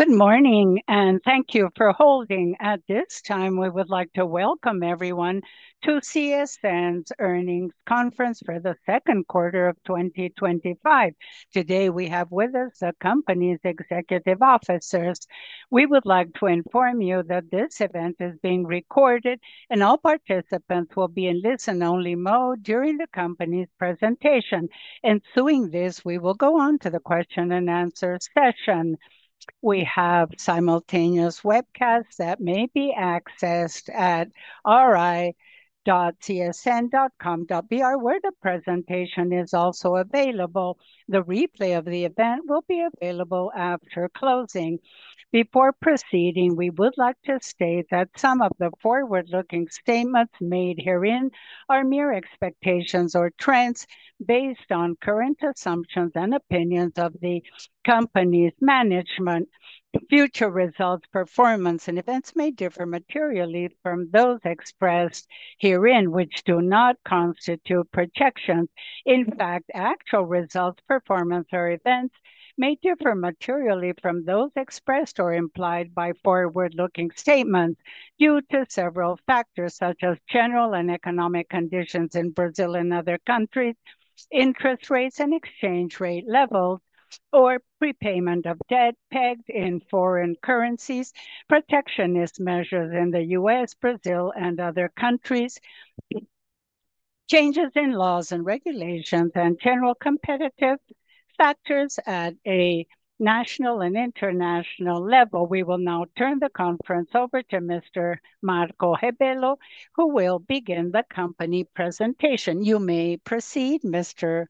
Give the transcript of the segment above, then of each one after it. Good morning and thank you for holding. At this time, we would like to welcome everyone to CSN's earnings conference for the second quarter of 2025. Today, we have with us the company's executive officers. We would like to inform you that this event is being recorded and all participants will be in listen-only mode during the company's presentation. In doing this, we will go on to the question and answer session. We have simultaneous webcasts that may be accessed at ri.csn.com.br, where the presentation is also available. The replay of the event will be available after closing. Before proceeding, we would like to state that some of the forward-looking statements made herein are mere expectations or trends based on current assumptions and opinions of the company's management. Future results, performance, and events may differ materially from those expressed herein, which do not constitute projections. In fact, actual results, performance, or events may differ materially from those expressed or implied by forward-looking statements due to several factors, such as general and economic conditions in Brazil and other countries, interest rates and exchange rate levels, or prepayment of debt pegged in foreign currencies, protectionist measures in the U.S., Brazil, and other countries, changes in laws and regulations, and general competitive factors at a national and international level. We will now turn the conference over to Mr. Marco Rabello, who will begin the company presentation. You may proceed, Mr.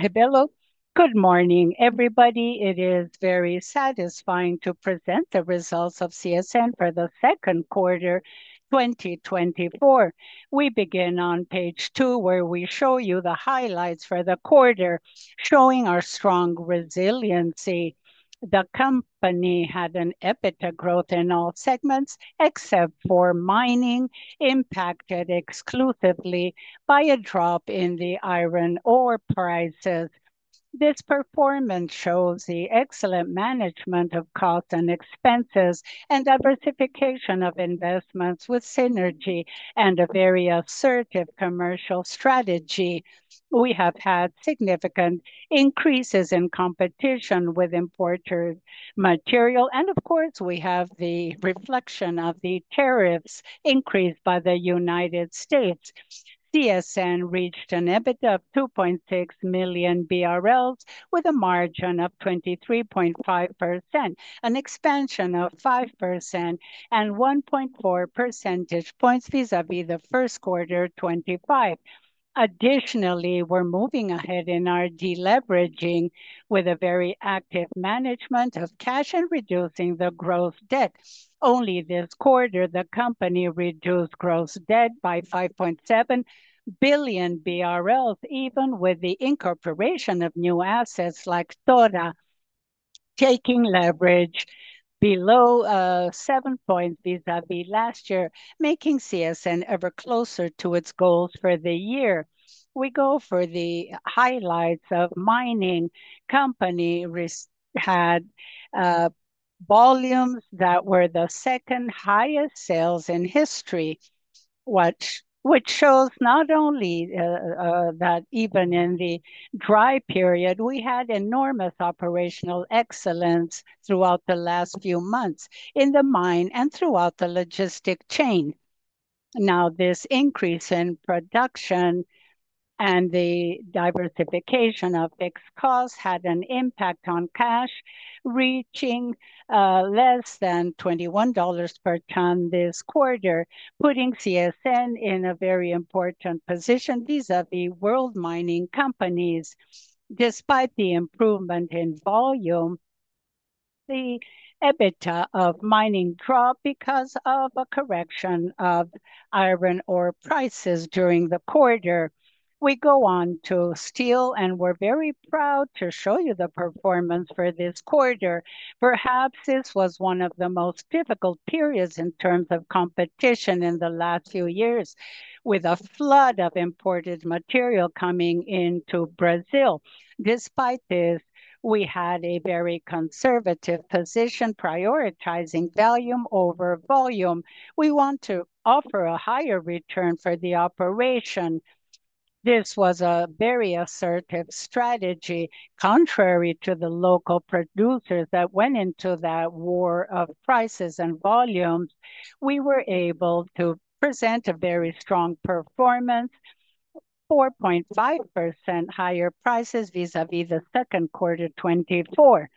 Rabello. Good morning, everybody. It is very satisfying to present the results of CSN for the second quarter 2024. We begin on page two, where we show you the highlights for the quarter, showing our strong resiliency. The company had an EBITDA growth in all segments, except for mining, impacted exclusively by a drop in the iron ore prices. This performance shows the excellent management of costs and expenses and diversification of investments with synergy and a very assertive commercial strategy. We have had significant increases in competition with importer material, and of course, we have the reflection of the tariffs increased by the United States. CSN reached an EBITDA of 2.6 million BRL with a margin of 23.5%, an expansion of 5%, and 1.4 percentage points vis-à-vis the first quarter of 2025. Additionally, we're moving ahead in our deleveraging with a very active management of cash and reducing the gross debt. Only this quarter, the company reduced gross debt by 5.7 billion BRL, even with the incorporation of new assets like TORA, taking leverage below 7 points vis-à-vis last year, making CSN ever closer to its goals for the year. We go for the highlights of mining. The company had volumes that were the second highest sales in history, which shows not only that even in the dry period, we had enormous operational excellence throughout the last few months in the mine and throughout the logistic chain. Now, this increase in production and the diversification of fixed costs had an impact on cash reaching less than $21 per ton this quarter, putting CSN in a very important position vis-à-vis world mining companies. Despite the improvement in volume, the EBITDA of mining dropped because of a correction of iron ore prices during the quarter. We go on to steel, and we're very proud to show you the performance for this quarter. Perhaps this was one of the most difficult periods in terms of competition in the last few years, with a flood of imported material coming into Brazil. Despite this, we had a very conservative position, prioritizing volume over volume. We want to offer a higher return for the operation. This was a very assertive strategy, contrary to the local producers that went into that war of prices and volumes. We were able to present a very strong performance, 4.5% higher prices vis-à-vis the second quarter of 2024,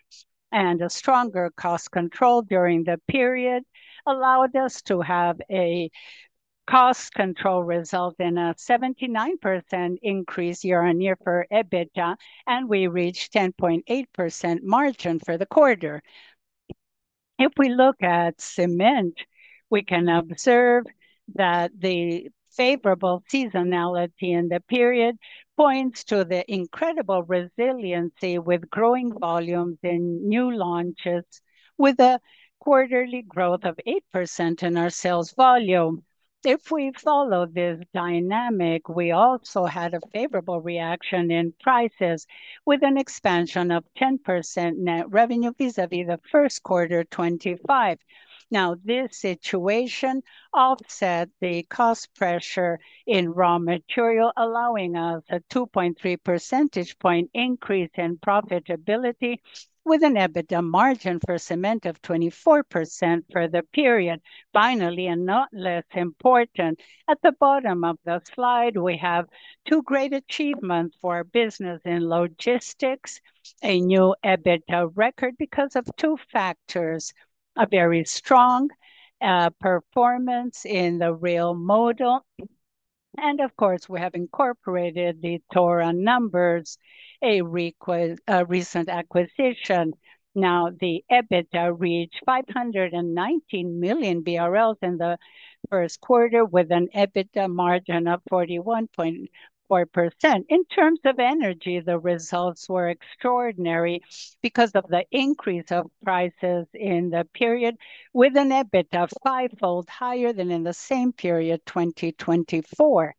and a stronger cost control during the period allowed us to have a cost control result in a 79% increase year-on-year for EBITDA, and we reached 10.8% margin for the quarter. If we look at cement, we can observe that the favorable seasonality in the period points to the incredible resiliency with growing volumes in new launches, with a quarterly growth of 8% in our sales volume. If we follow this dynamic, we also had a favorable reaction in prices, with an expansion of 10% net revenue vis-à-vis the first quarter of 2025. Now, this situation offset the cost pressure in raw material, allowing us a 2.3 percentage point increase in profitability, with an EBITDA margin for cement of 24% for the period. Finally, and not less important, at the bottom of the slide, we have two great achievements for our business in logistics, a new EBITDA record because of two factors: a very strong performance in the rail model, and of course, we have incorporated the TORA numbers, a recent acquisition. Now, the EBITDA reached 519 million BRL in the first quarter, with an EBITDA margin of 41.4%. In terms of energy, the results were extraordinary because of the increase of prices in the period, with an EBITDA five-fold higher than in the same period, 2024.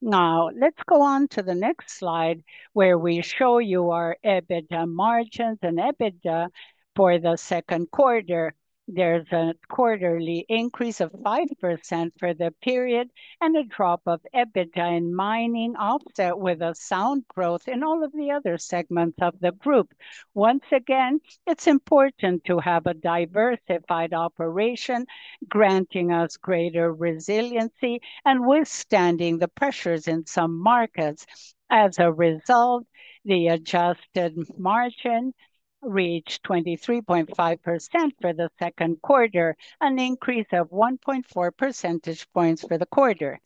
Now, let's go on to the next slide, where we show you our EBITDA margins and EBITDA for the second quarter. There's a quarterly increase of 5% for the period and a drop of EBITDA in mining, offset with a sound growth in all of the other segments of the group. Once again, it's important to have a diversified operation, granting us greater resiliency and withstanding the pressures in some markets. As a result, the adjusted margin reached 23.5% for the second quarter, an increase of 1.4 percentage points for the quarter.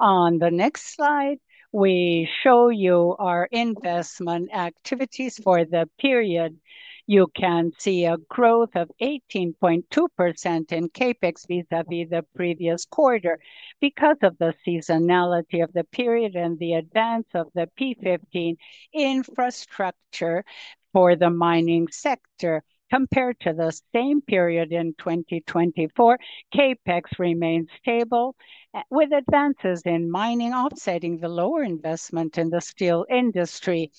On the next slide, we show you our investment activities for the period. You can see a growth of 18.2% in CAPEX vis-à-vis the previous quarter because of the seasonality of the period and the advance of the P15 infrastructure for the mining sector. Compared to the same period in 2024, CAPEX remains stable with advances in mining, offsetting the lower investment in the steel industry.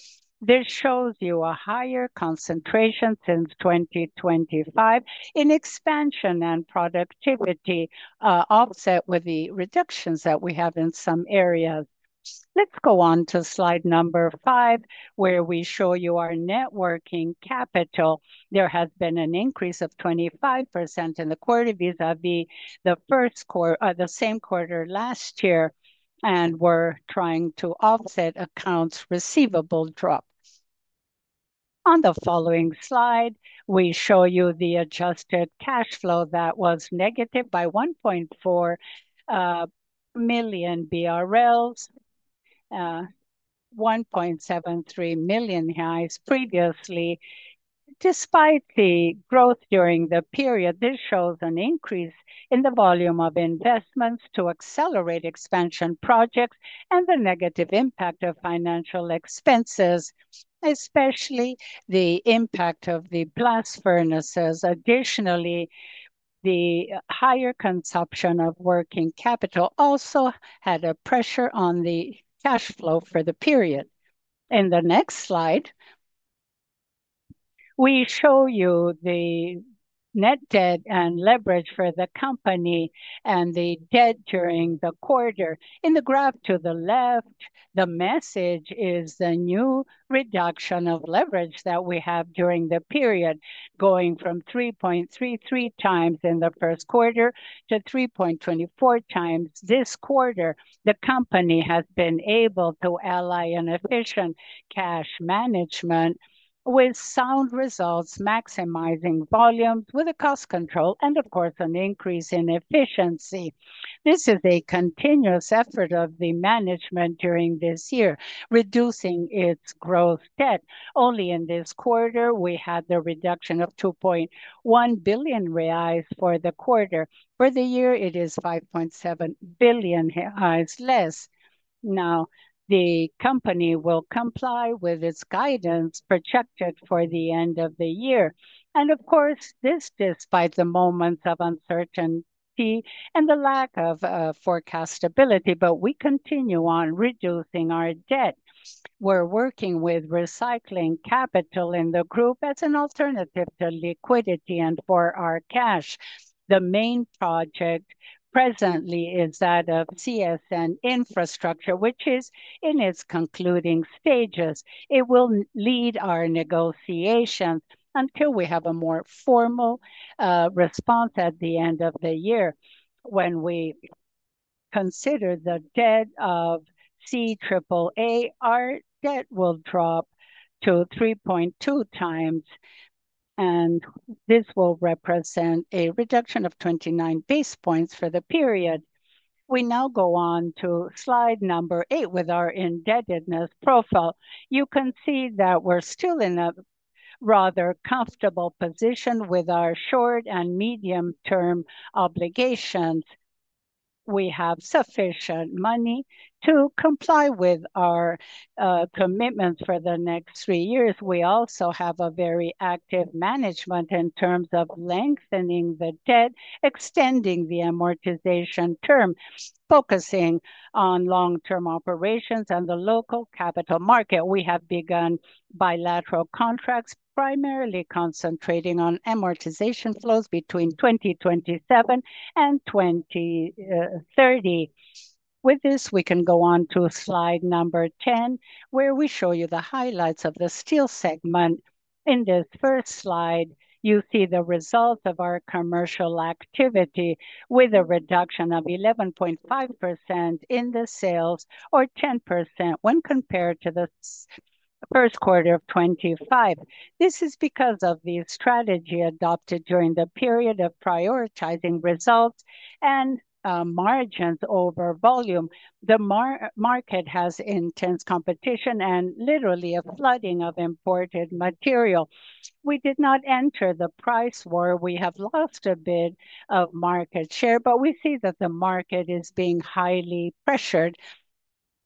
This shows you a higher concentration since 2025 in expansion and productivity, offset with the reductions that we have in some areas. Let's go on to slide number five, where we show you our networking capital. There has been an increase of 25% in the quarter vis-à-vis the first quarter, the same quarter last year, and we're trying to offset accounts receivable drops. On the following slide, we show you the adjusted cash flow that was negative by 1.4 million BRL, 1.73 million highs previously. Despite the growth during the period, this shows an increase in the volume of investments to accelerate expansion projects and the negative impact of financial expenses, especially the impact of the blast furnaces. Additionally, the higher consumption of working capital also had a pressure on the cash flow for the period. In the next slide, we show you the net debt and leverage for the company and the debt during the quarter. In the graph to the left, the message is the new reduction of leverage that we have during the period, going from 3.33x in the first quarter to 3.24x this quarter. The company has been able to ally in efficient cash management with sound results, maximizing volumes with a cost control and, of course, an increase in efficiency. This is a continuous effort of the management during this year, reducing its gross debt. Only in this quarter, we had the reduction of 2.1 billion reais for the quarter. For the year, it is 5.7 billion reais less. The company will comply with its guidance projected for the end of the year. Of course, this is despite the moments of uncertainty and the lack of forecast stability, but we continue on reducing our debt. We're working with recycling capital in the group as an alternative to liquidity and for our cash. The main project presently is that of CSN Infrastructure, which is in its concluding stages. It will lead our negotiations until we have a more formal response at the end of the year. When we consider the debt of CAAA, our debt will drop to 3.2x, and this will represent a reduction of 29 basis points for the period. We now go on to slide number eight with our indebtedness profile. You can see that we're still in a rather comfortable position with our short and medium-term obligations. We have sufficient money to comply with our commitments for the next three years. We also have a very active management in terms of lengthening the debt, extending the amortization term, focusing on long-term operations and the local capital market. We have begun bilateral contracts, primarily concentrating on amortization flows between 2027 and 2030. With this, we can go on to slide number 10, where we show you the highlights of the steel segment. In this first slide, you see the results of our commercial activity with a reduction of 11.5% in the sales or 10% when compared to the first quarter of 2025. This is because of the strategy adopted during the period of prioritizing results and margins over volume. The market has intense competition and literally a flooding of imported material. We did not enter the price war. We have lost a bit of market share, but we see that the market is being highly pressured,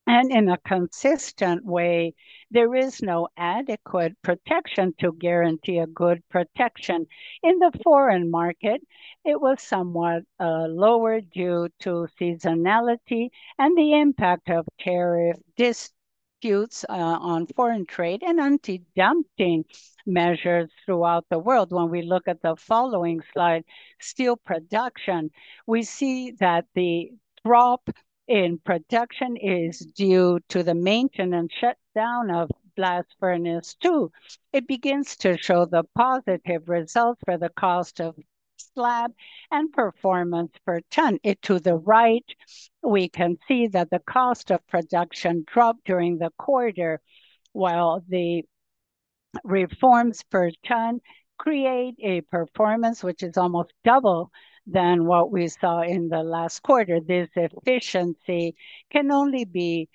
and in a consistent way, there is no adequate protection to guarantee a good protection. In the foreign market, it was somewhat lower due to seasonality and the impact of tariff disputes on foreign trade and anti-dumping measures throughout the world. When we look at the following slide, steel production, we see that the drop in production is due to the maintenance shutdown of blast furnace 2. It begins to show the positive results for the cost of slab and performance per ton. To the right, we can see that the cost of production dropped during the quarter, while the reforms per ton create a performance which is almost double than what we saw in the last quarter. This efficiency can only be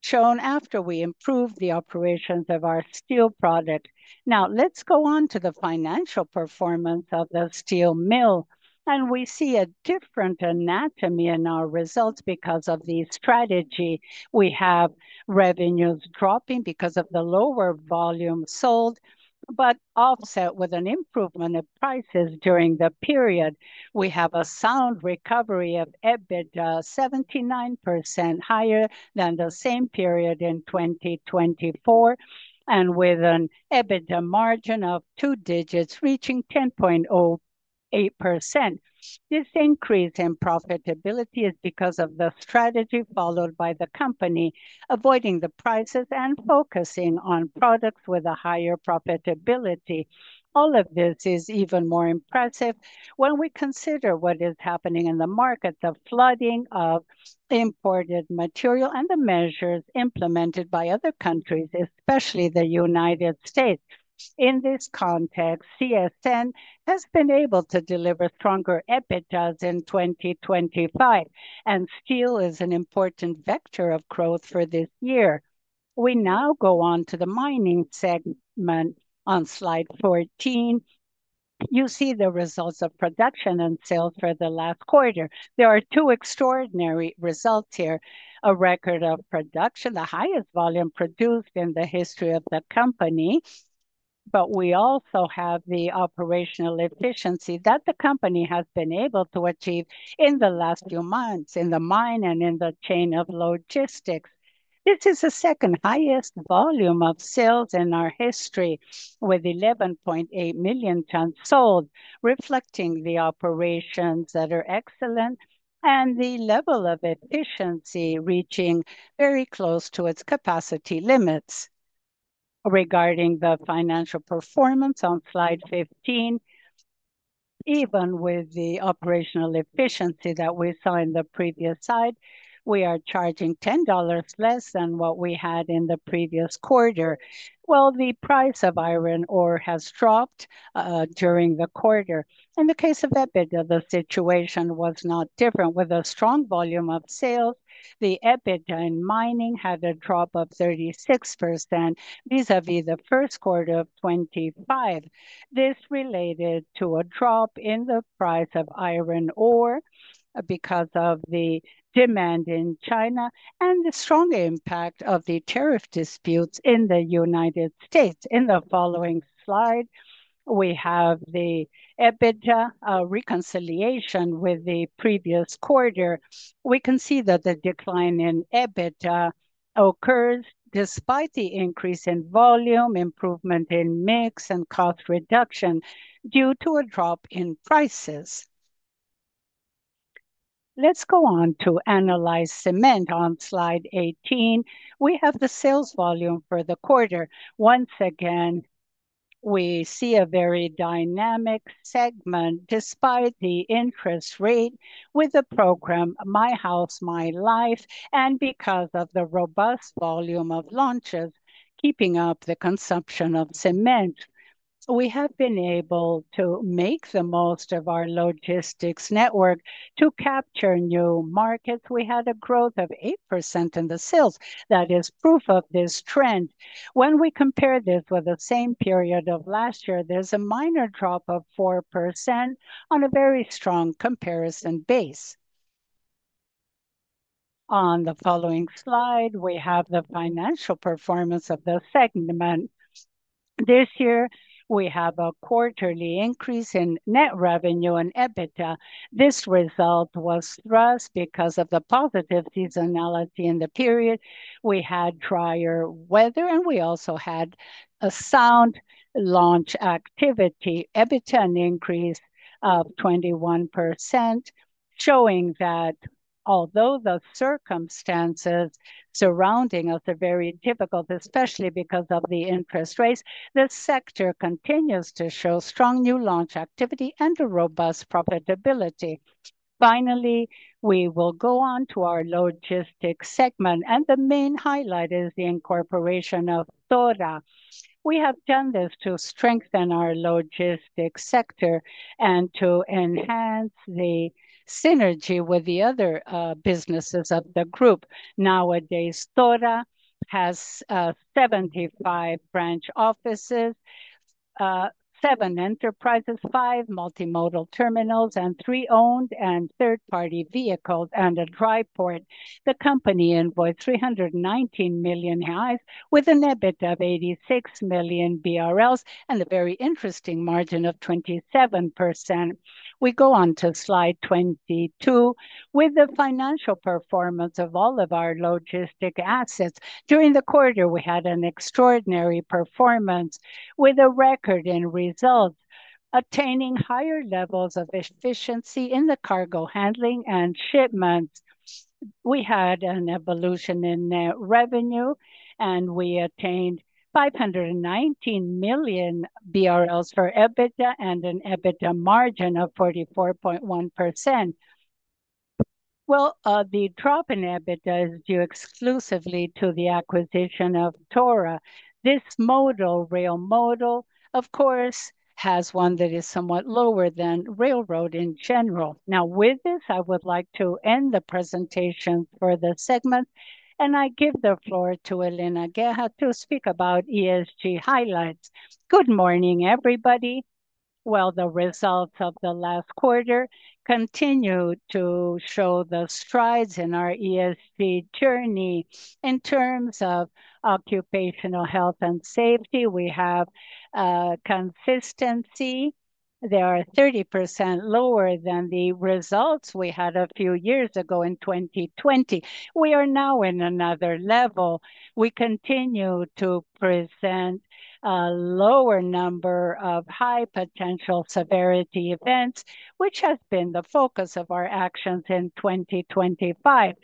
shown after we improve the operations of our steel product. Now, let's go on to the financial performance of the steel mill, and we see a different anatomy in our results because of the strategy. We have revenues dropping because of the lower volume sold, but offset with an improvement of prices during the period. We have a sound recovery of EBITDA, 79% higher than the same period in 2024, and with an EBITDA margin of two digits, reaching 10.08%. This increase in profitability is because of the strategy followed by the company, avoiding the prices and focusing on products with a higher profitability. All of this is even more impressive when we consider what is happening in the market, the flooding of imported material and the measures implemented by other countries, especially the United States. In this context, CSN has been able to deliver stronger EBITDA in 2025, and steel is an important vector of growth for this year. We now go on to the mining segment. On slide 14, you see the results of production and sales for the last quarter. There are two extraordinary results here: a record of production, the highest volume produced in the history of the company, but we also have the operational efficiency that the company has been able to achieve in the last few months in the mine and in the chain of logistics. This is the second highest volume of sales in our history, with 11.8 million tons sold, reflecting the operations that are excellent and the level of efficiency reaching very close to its capacity limits. Regarding the financial performance on slide 15, even with the operational efficiency that we saw in the previous slide, we are charging $10 less than what we had in the previous quarter. The price of iron ore has dropped during the quarter. In the case of EBITDA, the situation was not different. With a strong volume of sales, the EBITDA in mining had a drop of 36% vis-à-vis the first quarter of 2025. This related to a drop in the price of iron ore because of the demand in China and the strong impact of the tariff disputes in the United States. In the following slide, we have the EBITDA reconciliation with the previous quarter. We can see that the decline in EBITDA occurs despite the increase in volume, improvement in mix, and cost reduction due to a drop in prices. Let's go on to analyze cement. On slide 18, we have the sales volume for the quarter. Once again, we see a very dynamic segment despite the interest rate with the program My House, My Life, and because of the robust volume of launches keeping up the consumption of cement. We have been able to make the most of our logistics network to capture new markets. We had a growth of 8% in the sales. That is proof of this trend. When we compare this with the same period of last year, there's a minor drop of 4% on a very strong comparison base. On the following slide, we have the financial performance of the segment. This year, we have a quarterly increase in net revenue and EBITDA. This result was thrust because of the positive seasonality in the period. We had drier weather, and we also had a sound launch activity. EBITDA increased 21%, showing that although the circumstances surrounding us are very difficult, especially because of the interest rates, the sector continues to show strong new launch activity and a robust profitability. Finally, we will go on to our logistics segment, and the main highlight is the incorporation of TORA. We have done this to strengthen our logistics sector and to enhance the synergy with the other businesses of the group. Nowadays, TORA has 75 branch offices, seven enterprises, five multimodal terminals, and three owned and third-party vehicles and a drive for it. The company invoiced 319 million with an EBITDA of 86 million BRL and a very interesting margin of 27%. We go on to slide 22 with the financial performance of all of our logistics assets. During the quarter, we had an extraordinary performance with a record in results, attaining higher levels of efficiency in the cargo handling and shipments. We had an evolution in net revenue, and we attained 519 million BRL for EBITDA and an EBITDA margin of 44.1%. The drop in EBITDA is due exclusively to the acquisition of TORA. This rail model, of course, has one that is somewhat lower than railroad in general. Now, with this, I would like to end the presentation for the segment, and I give the floor to Helena Guerra to speak about ESG highlights. Good morning, everybody. The results of the last quarter continue to show the strides in our ESG journey. In terms of occupational health and safety, we have a consistency. They are 30% lower than the results we had a few years ago in 2020. We are now in another level. We continue to present a lower number of high potential severity events, which has been the focus of our actions in 2025.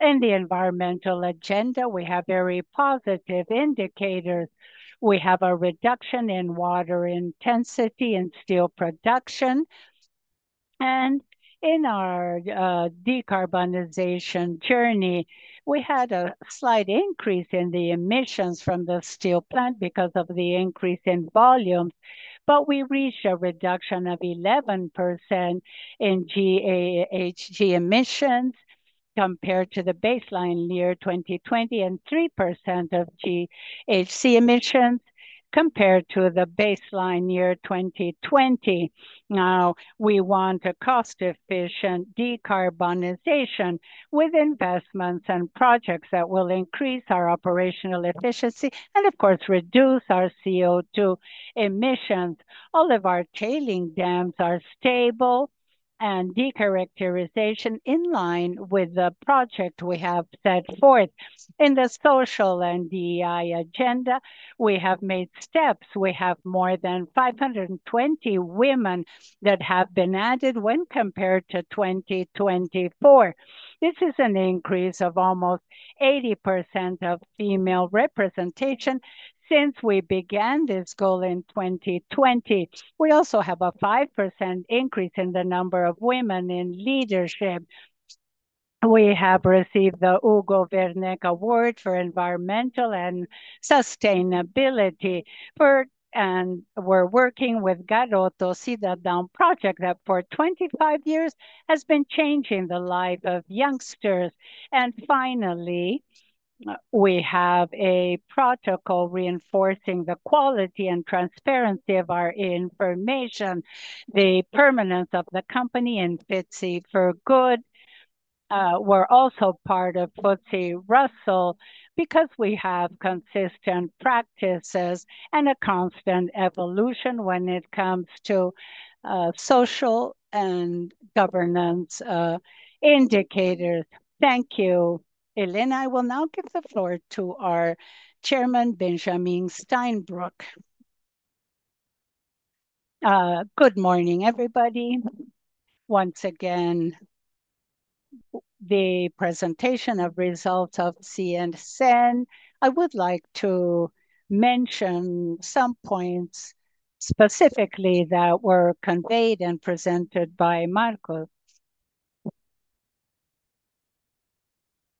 In the environmental agenda, we have very positive indicators. We have a reduction in water intensity in steel production, and in our decarbonization journey, we had a slight increase in the emissions from the steel plant because of the increase in volumes, but we reached a reduction of 11% in GHG emissions compared to the baseline year 2020 and 3% of GHG emissions compared to the baseline year 2020. Now, we want a cost-efficient decarbonization with investments and projects that will increase our operational efficiency and, of course, reduce our CO2 emissions. All of our tailing dams are stable and decharacterization in line with the project we have set forth. In the social and DEI agenda, we have made steps. We have more than 520 women that have been added when compared to 2024. This is an increase of almost 80% of female representation since we began this goal in 2020. We also have a 5% increase in the number of women in leadership. We have received the Hugo Wernick Award for Environmental and Sustainability, and we're working with Garoto Siddhantam Project that for 25 years has been changing the lives of youngsters. Finally, we have a protocol reinforcing the quality and transparency of our information, the permanence of the company in FTSE4Good. We're also part of FTSE Russell because we have consistent practices and a constant evolution when it comes to social and governance indicators. Thank you, Helena. I will now give the floor to our Chairman, Benjamin Steinbruch. Good morning, everybody. Once again, the presentation of results of CSN. I would like to mention some points specifically that were conveyed and presented by Marco.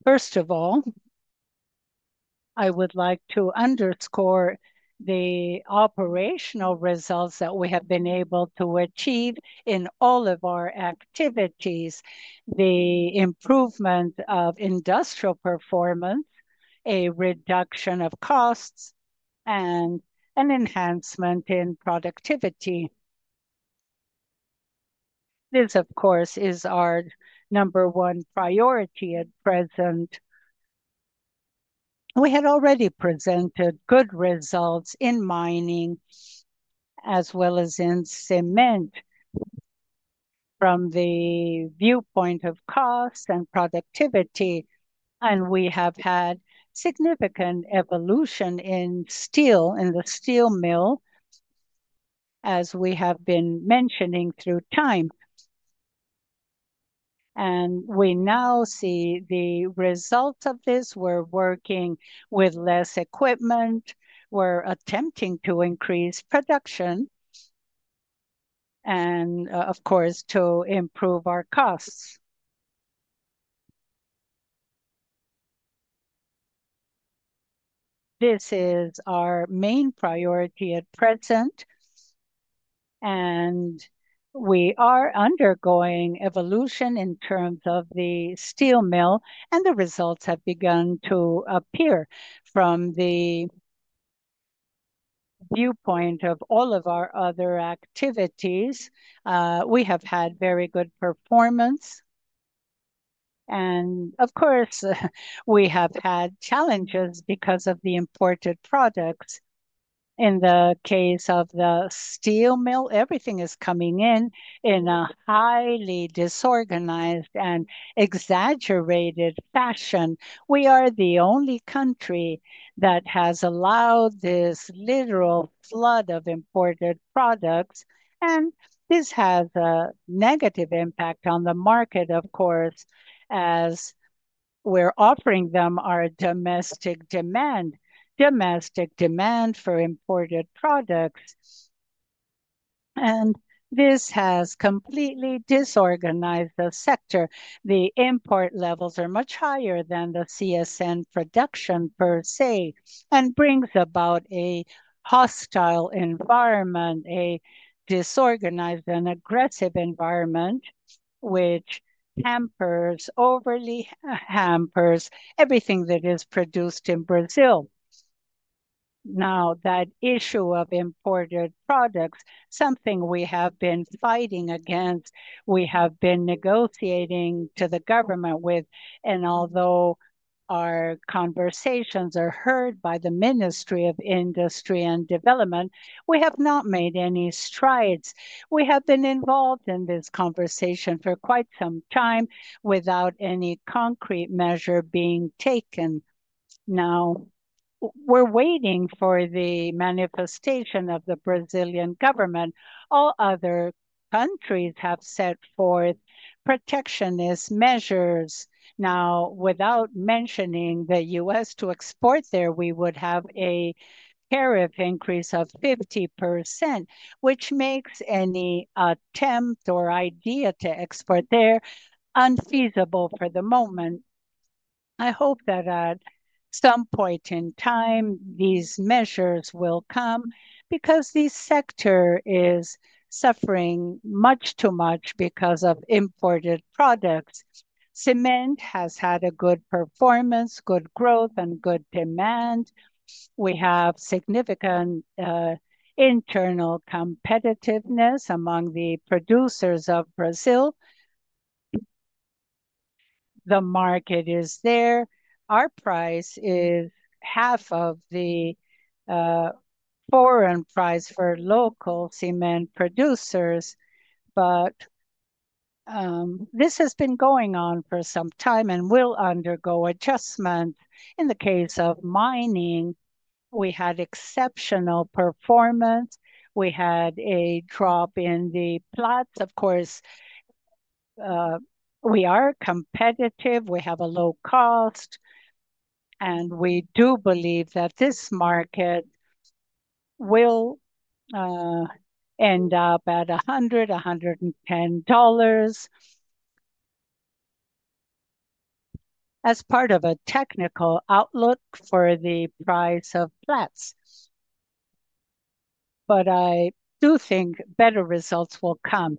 First of all, I would like to underscore the operational results that we have been able to achieve in all of our activities – the improvement of industrial performance, a reduction of costs, and an enhancement in productivity. This, of course, is our number one priority at present. We had already presented good results in mining as well as in cement from the viewpoint of cost and productivity, and we have had significant evolution in steel in the steel mill, as we have been mentioning through time. We now see the results of this. We're working with less equipment. We're attempting to increase production and, of course, to improve our costs. This is our main priority at present, and we are undergoing evolution in terms of the steel mill, and the results have begun to appear from the viewpoint of all of our other activities. We have had very good performance, and of course, we have had challenges because of the imported products. In the case of the steel mill, everything is coming in in a highly disorganized and exaggerated fashion. We are the only country that has allowed this literal flood of imported products, and this has a negative impact on the market, of course, as we're offering them our domestic demand, domestic demand for imported products. This has completely disorganized the sector. The import levels are much higher than the CSN production per [se], and brings about a hostile environment, a disorganized and aggressive environment, which hampers, overly hampers, everything that is produced in Brazil. Now, that issue of imported products, something we have been fighting against, we have been negotiating to the government with, and although our conversations are heard by the Ministry of Industry and Development, we have not made any strides. We have been involved in this conversation for quite some time without any concrete measure being taken. Now, we're waiting for the manifestation of the Brazilian government. All other countries have set forth protectionist measures. Without mentioning the United States, to export there, we would have a tariff increase of 50%, which makes any attempt or idea to export there unfeasible for the moment. I hope that at some point in time, these measures will come because this sector is suffering much too much because of imported products. Cement has had a good performance, good growth, and good demand. We have significant internal competitiveness among the producers of Brazil. The market is there. Our price is half of the foreign price for local cement producers, but this has been going on for some time and will undergo adjustment. In the case of mining, we had exceptional performance. We had a drop in the plots. Of course, we are competitive. We have a low cost, and we do believe that this market will end up at $100, $110 as part of a technical outlook for the price of plats. I do think better results will come.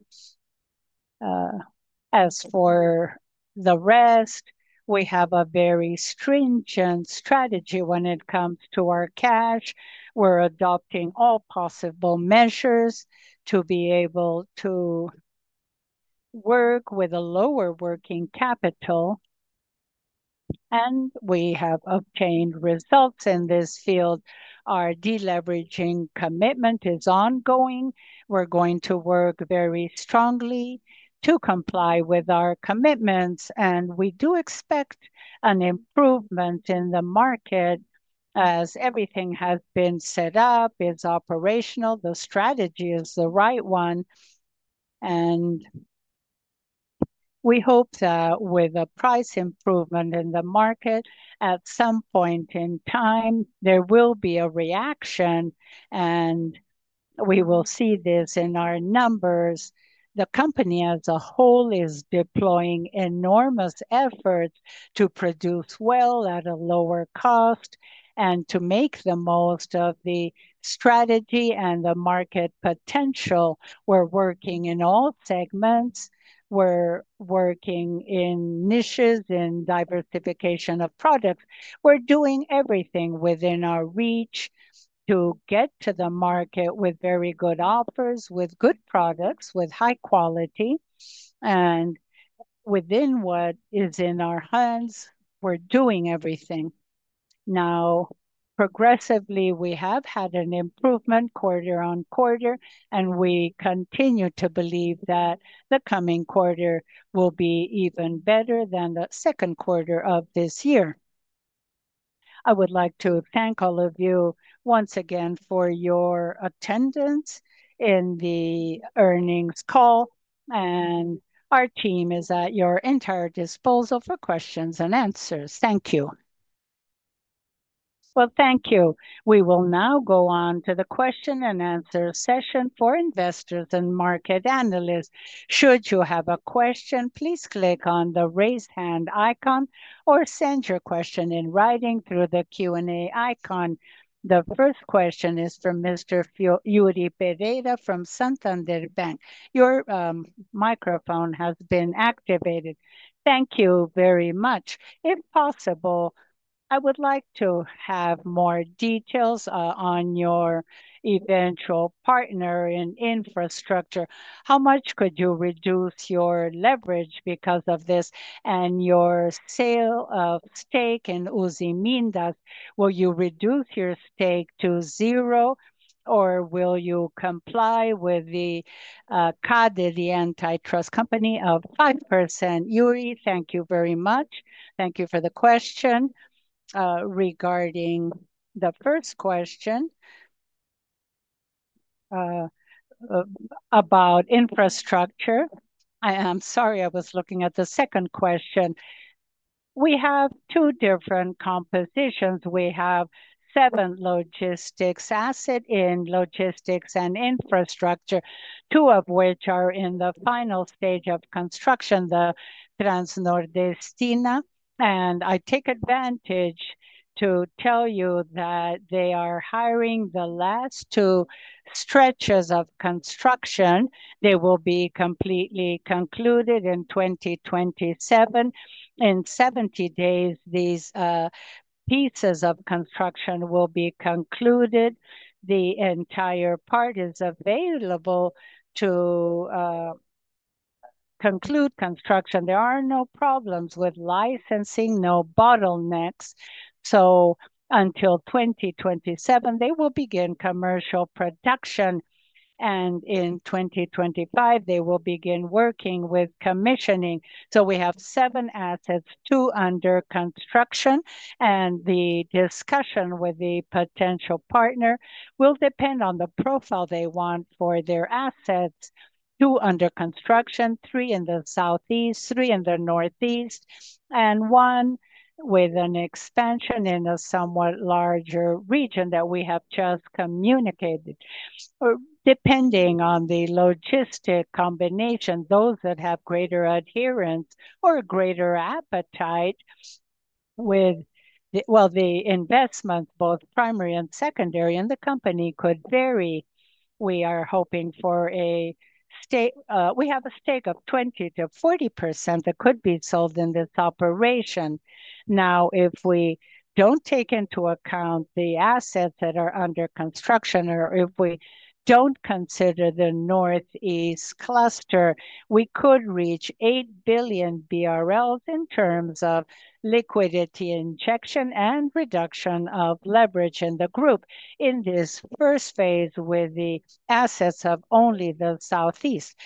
As for the rest, we have a very stringent strategy when it comes to our cash. We're adopting all possible measures to be able to work with a lower working capital, and we have obtained results in this field. Our deleveraging commitment is ongoing. We're going to work very strongly to comply with our commitments, and we do expect an improvement in the market as everything has been set up, is operational, the strategy is the right one. We hope that with a price improvement in the market, at some point in time, there will be a reaction, and we will see this in our numbers. The company as a whole is deploying enormous efforts to produce well at a lower cost and to make the most of the strategy and the market potential. We're working in all segments. We're working in niches and diversification of products. We're doing everything within our reach to get to the market with very good offers, with good products, with high quality, and within what is in our hands, we're doing everything. Now, progressively, we have had an improvement quarter on quarter, and we continue to believe that the coming quarter will be even better than the second quarter of this year. I would like to thank all of you once again for your attendance in the earnings call, and our team is at your entire disposal for questions and answers. Thank you. Thank you. We will now go on to the question and answer session for investors and market analysts. Should you have a question, please click on the raised hand icon or send your question in writing through the Q&A icon. The first question is from Mr. Yuri Pereira from Santander Bank. Your microphone has been activated. Thank you very much. If possible, I would like to have more details on your eventual partner in infrastructure. How much could you reduce your leverage because of this and your sale of stake in Usiminas? Will you reduce your stake to zero, or will you comply with the CADE, the antitrust company of 5%? Yuri, thank you very much. Thank you for the question. Regarding the first question about infrastructure, I am sorry, I was looking at the second question. We have two different compositions. We have seven logistics assets in logistics and infrastructure, two of which are in the final stage of construction, the Transnordestina. I take advantage to tell you that they are hiring the last two stretches of construction. They will be completely concluded in 2027. In 70 days, these pieces of construction will be concluded. The entire part is available to conclude construction. There are no problems with licensing, no bottlenecks. Until 2027, they will begin commercial production, and in 2025, they will begin working with commissioning. We have seven assets, two under construction, and the discussion with the potential partner will depend on the profile they want for their assets. Two under construction, three in the southeast, three in the northeast, and one with an expansion in a somewhat larger region that we have just communicated. Depending on the logistic combination, those that have greater adherence or a greater appetite with the investments, both primary and secondary, and the company could vary. We are hoping for a stake. We have a stake of 20%-40% that could be sold in this operation. If we don't take into account the assets that are under construction, or if we don't consider the northeast cluster, we could reach 8 billion BRL in terms of liquidity injection and reduction of leverage in the group in this first phase with the assets of only the southeast.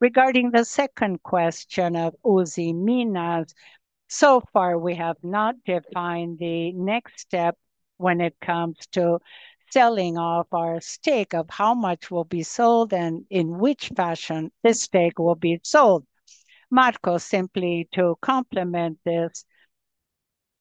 Regarding the second question of Usiminas, so far we have not defined the next step when it comes to selling off our stake of how much will be sold and in which fashion this stake will be sold. Marco, simply to complement this,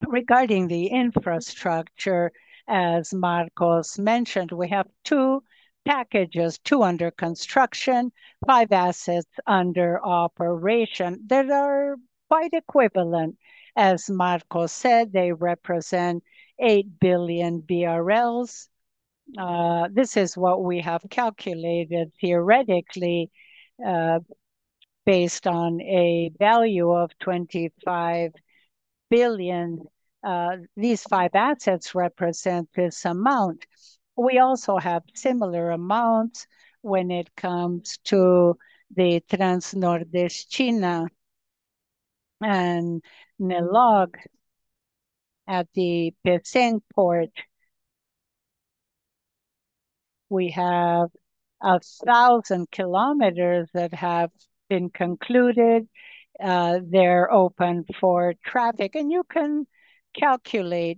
regarding the infrastructure, as Marco mentioned, we have two packages, two under construction, five assets under operation that are quite equivalent. As Marco said, they represent 8 billion BRL. This is what we have calculated theoretically, based on a value of 25 billion. These five assets represent this amount. We also have similar amounts when it comes to the Transnordestina and Nilog at the Piscin port. We have 1,000 kilometers that have been concluded. They're open for traffic, and you can calculate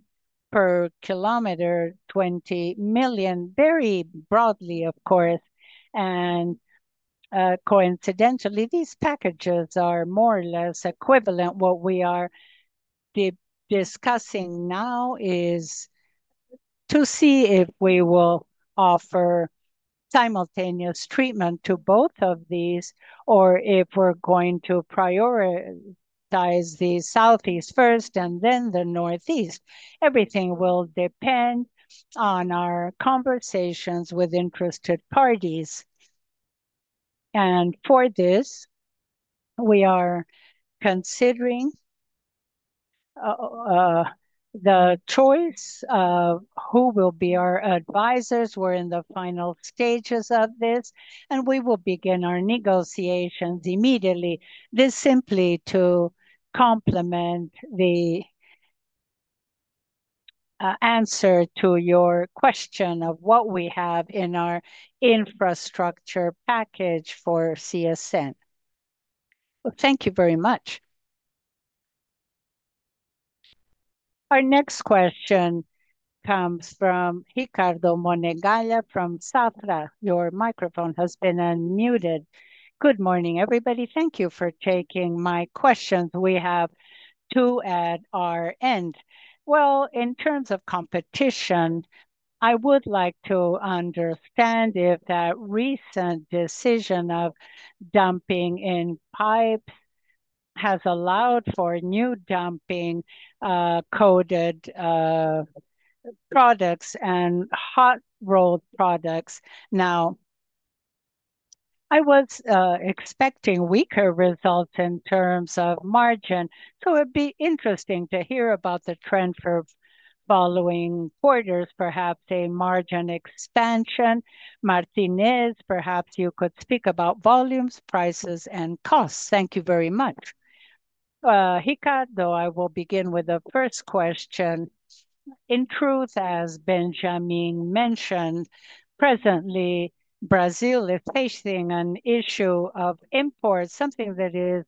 per kilometer 20 million, very broadly, of course. Coincidentally, these packages are more or less equivalent. What we are discussing now is to see if we will offer simultaneous treatment to both of these, or if we're going to prioritize the southeast first and then the northeast. Everything will depend on our conversations with interested parties. For this, we are considering the choice of who will be our advisors. We're in the final stages of this, and we will begin our negotiations immediately. This is simply to complement the answer to your question of what we have in our infrastructure package for CSN. Thank you very much. Our next question comes from Ricardo Monegaglia from Safra. Your microphone has been unmuted. Good morning, everybody. Thank you for taking my questions. We have two at our end. In terms of competition, I would like to understand if that recent decision of dumping in pipes has allowed for new dumping coated products and hot rolled products. I was expecting weaker results in terms of margin. It would be interesting to hear about the trend for the following quarters, perhaps a margin expansion. Martinez, perhaps you could speak about volumes, prices, and costs. Thank you very much. Ricardo, I will begin with the first question. In truth, as Benjamin mentioned, presently, Brazil is facing an issue of imports, something that is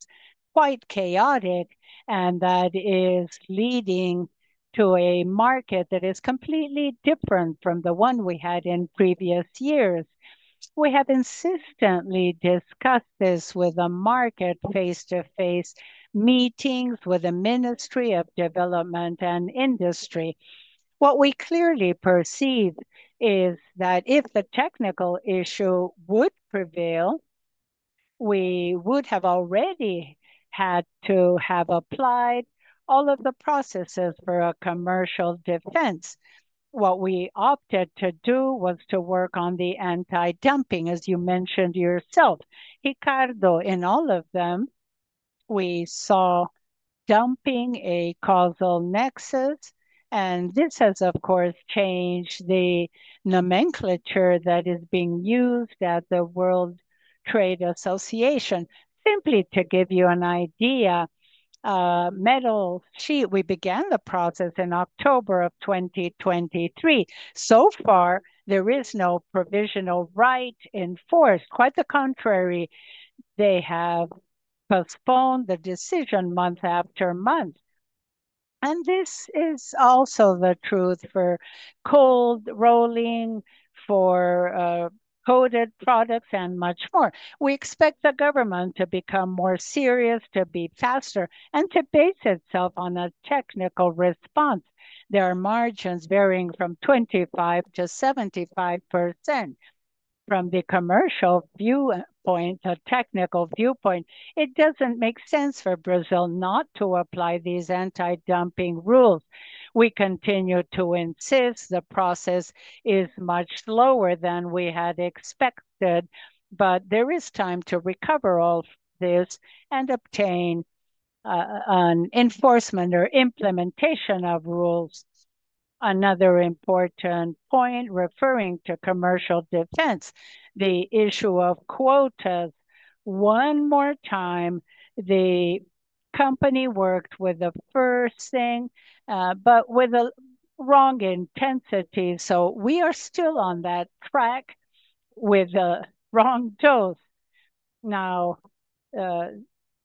quite chaotic and that is leading to a market that is completely different from the one we had in previous years. We have insistently discussed this with the market, face-to-face meetings with the Ministry of Development and Industry. What we clearly perceive is that if the technical issue would prevail, we would have already had to have applied all of the processes for a commercial defense. What we opted to do was to work on the anti-dumping, as you mentioned yourself, Ricardo. In all of them, we saw dumping, a causal nexus, and this has, of course, changed the nomenclature that is being used at the World Trade Association. Simply to give you an idea, metal sheet, we began the process in October of 2023. So far, there is no provisional right in force. Quite the contrary, they have postponed the decision month after month. This is also the truth for cold rolling, for coated products, and much more. We expect the government to become more serious, to be faster, and to base itself on a technical response. There are margins varying from 25%-75%. From the commercial viewpoint, a technical viewpoint, it doesn't make sense for Brazil not to apply these anti-dumping rules. We continue to insist the process is much slower than we had expected, but there is time to recover all this and obtain an enforcement or implementation of rules. Another important point referring to commercial defense, the issue of quotas. One more time, the company worked with the first thing, but with the wrong intensity. We are still on that track with the wrong dose.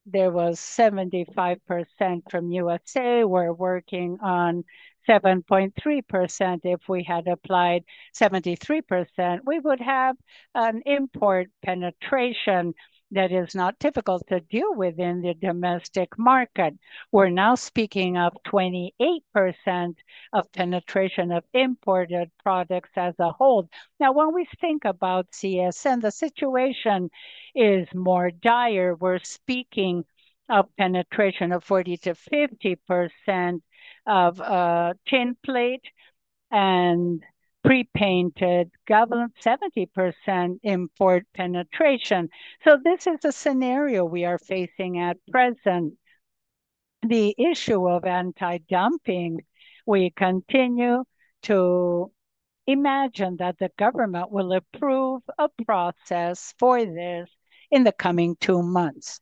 There was 75% from the United States. We're working on 7.3%. If we had applied 73%, we would have an import penetration that is not typical to deal with in the domestic market. We're now speaking of 28% of penetration of imported products as a whole. Now, when we think about CSN, the situation is more dire. We're speaking of penetration of 40%-50% of tin plate and pre-painted government, 70% import penetration. This is the scenario we are facing at present. The issue of anti-dumping, we continue to imagine that the government will approve a process for this in the coming two months.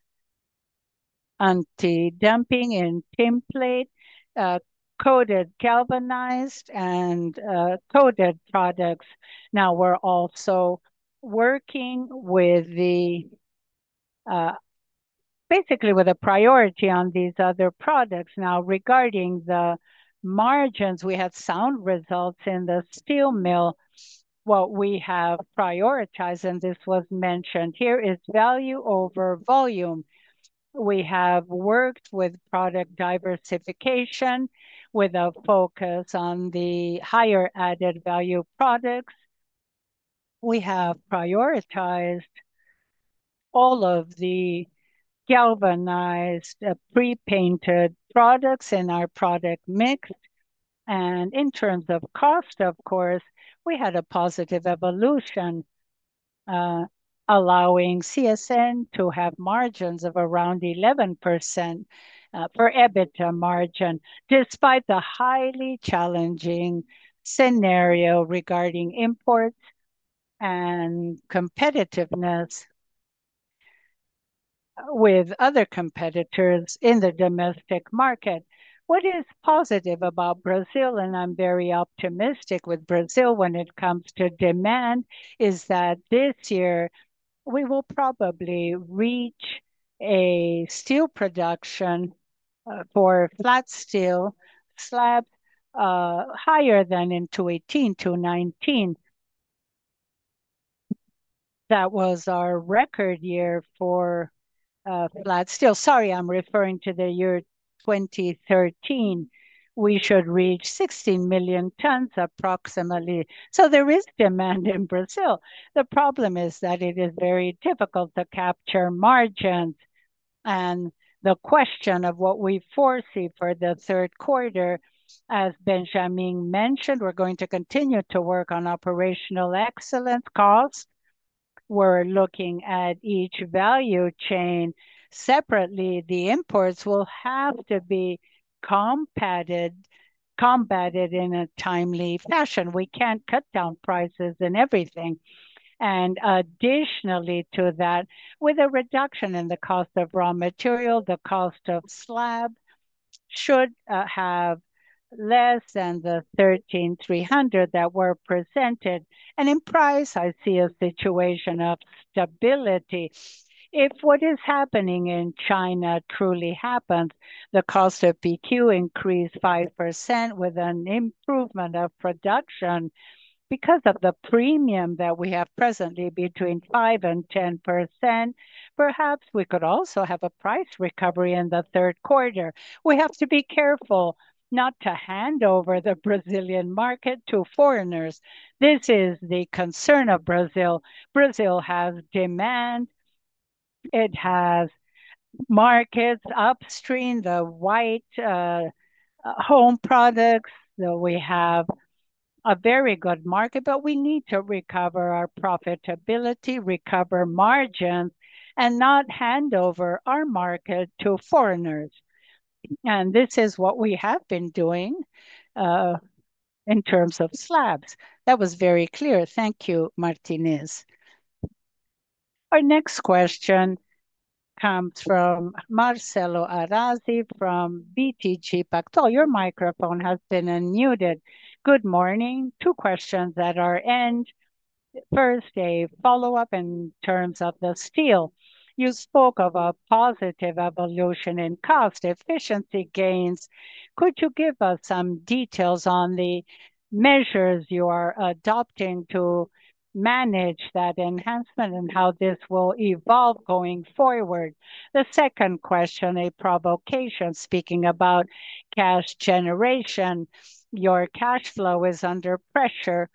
Anti-dumping in tin plate, coated galvanized, and coated products. We're also working with, basically, with a priority on these other products. Regarding the margins, we had sound results in the steel mill. What we have prioritized, and this was mentioned here, is value over volume. We have worked with product diversification with a focus on the higher added value products. We have prioritized all of the galvanized, pre-painted products in our product mix. In terms of cost, of course, we had a positive evolution, allowing CSN to have margins of around 11% for EBITDA margin, despite the highly challenging scenario regarding imports and competitiveness with other competitors in the domestic market. What is positive about Brazil, and I'm very optimistic with Brazil when it comes to demand, is that this year we will probably reach a steel production for flat steel slab higher than in 2018-2019. That was our record year for flat steel. Sorry, I'm referring to the year 2013. We should reach 16 million tons approximately. There is demand in Brazil. The problem is that it is very difficult to capture margins. The question of what we foresee for the third quarter, as Benjamin mentioned, we're going to continue to work on operational excellence costs. We're looking at each value chain separately. The imports will have to be combated in a timely fashion. We can't cut down prices and everything. Additionally to that, with a reduction in the cost of raw material, the cost of slab should have less than the 13,300 that were presented. In price, I see a situation of stability. If what is happening in China truly happens, the cost of PQ increased 5% with an improvement of production because of the premium that we have presently between 5% and 10%, perhaps we could also have a price recovery in the third quarter. We have to be careful not to hand over the Brazilian market to foreigners. This is the concern of Brazil. Brazil has demand. It has markets upstream, the white home products. We have a very good market, but we need to recover our profitability, recover margins, and not hand over our market to foreigners. This is what we have been doing in terms of slabs. That was very clear. Thank you, Martinez. Our next question comes from Marcelo Arazi from BTG Pactual. Your microphone has been unmuted. Good morning. Two questions at our end. First, a follow-up in terms of the steel. You spoke of a positive evolution in cost efficiency gains. Could you give us some details on the measures you are adopting to manage that enhancement and how this will evolve going forward? The second question, a provocation, speaking about cash generation. Your cash flow is under pressure.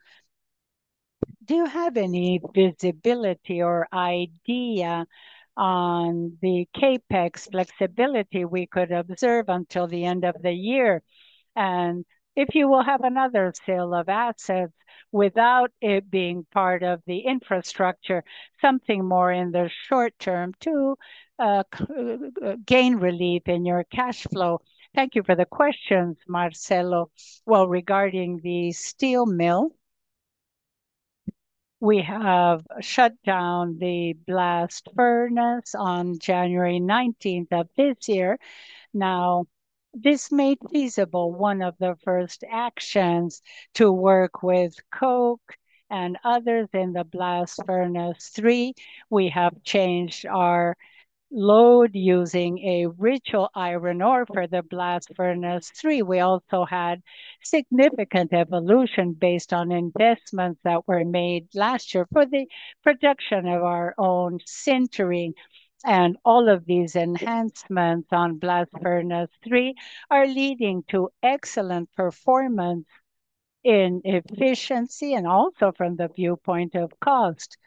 Do you have any visibility or idea on the CAPEX flexibility we could observe until the end of the year? If you will have another sale of assets without it being part of the infrastructure, something more in the short term to gain relief in your cash flow. Thank you for the questions, Marcelo. Regarding the steel mill, we have shut down the blast furnace on January 19th, 2024. This made feasible one of the first actions to work with coke and others in the blast furnace 3. We have changed our load using a ritual iron ore for the blast furnace 3. We also had significant evolution based on investments that were made last year for the production of our own sintering. All of these enhancements on blast furnace 3 are leading to excellent performance in efficiency and also from the viewpoint of cost.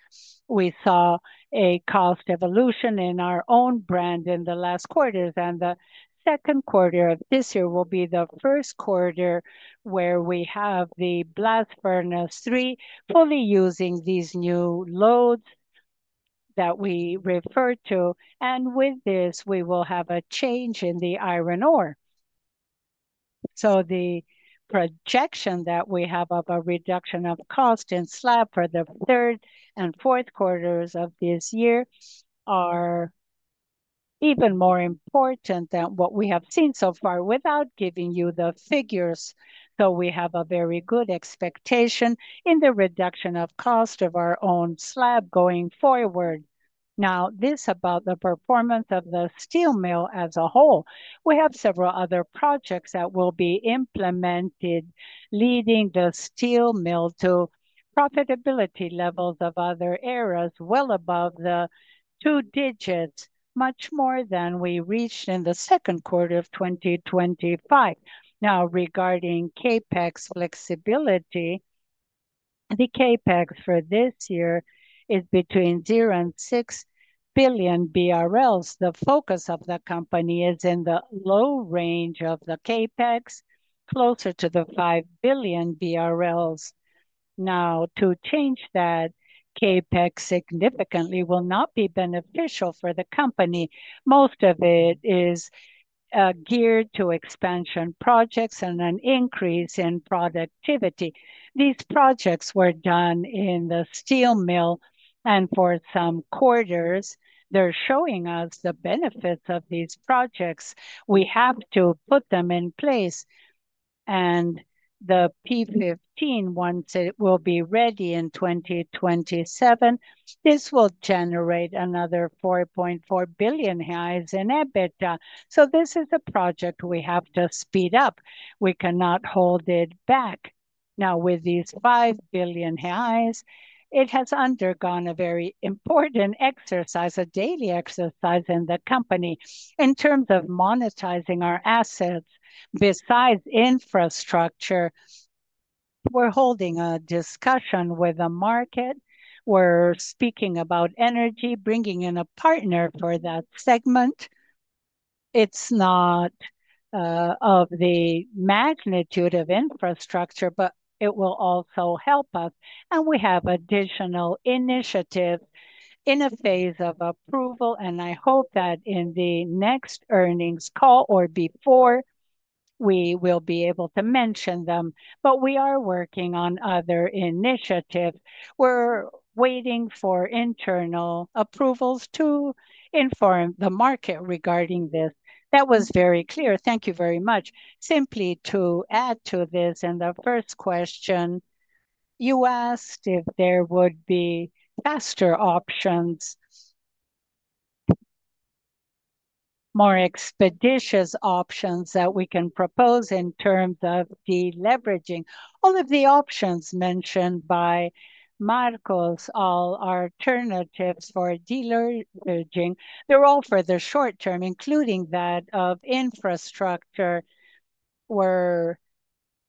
We saw a cost evolution in our own brand in the last quarters, and the second quarter of this year will be the first quarter where we have the blast furnace 3 fully using these new loads that we refer to. With this, we will have a change in the iron ore. The projection that we have of a reduction of cost in slab for the third and fourth quarters of this year is even more important than what we have seen so far without giving you the figures. We have a very good expectation in the reduction of cost of our own slab going forward. This is about the performance of the steel mill as a whole. We have several other projects that will be implemented, leading the steel mill to profitability levels of other areas well above the two digits, much more than we reached in the second quarter of 2025. Regarding CAPEX flexibility, the CAPEX for this year is between 0 and 6 billion BRL. The focus of the company is in the low range of the CAPEX, closer to the 5 billion BRL. Now, to change that CAPEX significantly will not be beneficial for the company. Most of it is geared to expansion projects and an increase in productivity. These projects were done in the steel mill, and for some quarters, they're showing us the benefits of these projects. We have to put them in place. The P15, once it will be ready in 2027, this will generate another 4.4 billion reais in EBITDA. This is a project we have to speed up. We cannot hold it back. With these 5 billion reais, it has undergone a very important exercise, a daily exercise in the company in terms of monetizing our assets. Besides infrastructure, we're holding a discussion with the market. We're speaking about energy, bringing in a partner for that segment. It's not of the magnitude of infrastructure, but it will also help us. We have additional initiatives in a phase of approval, and I hope that in the next earnings call or before, we will be able to mention them. We are working on other initiatives. We're waiting for internal approvals to inform the market regarding this. That was very clear. Thank you very much. Simply to add to this, in the first question, you asked if there would be faster options, more expeditious options that we can propose in terms of deleveraging. All of the options mentioned by Marco's all alternatives for deleveraging, they're all for the short term, including that of infrastructure. We're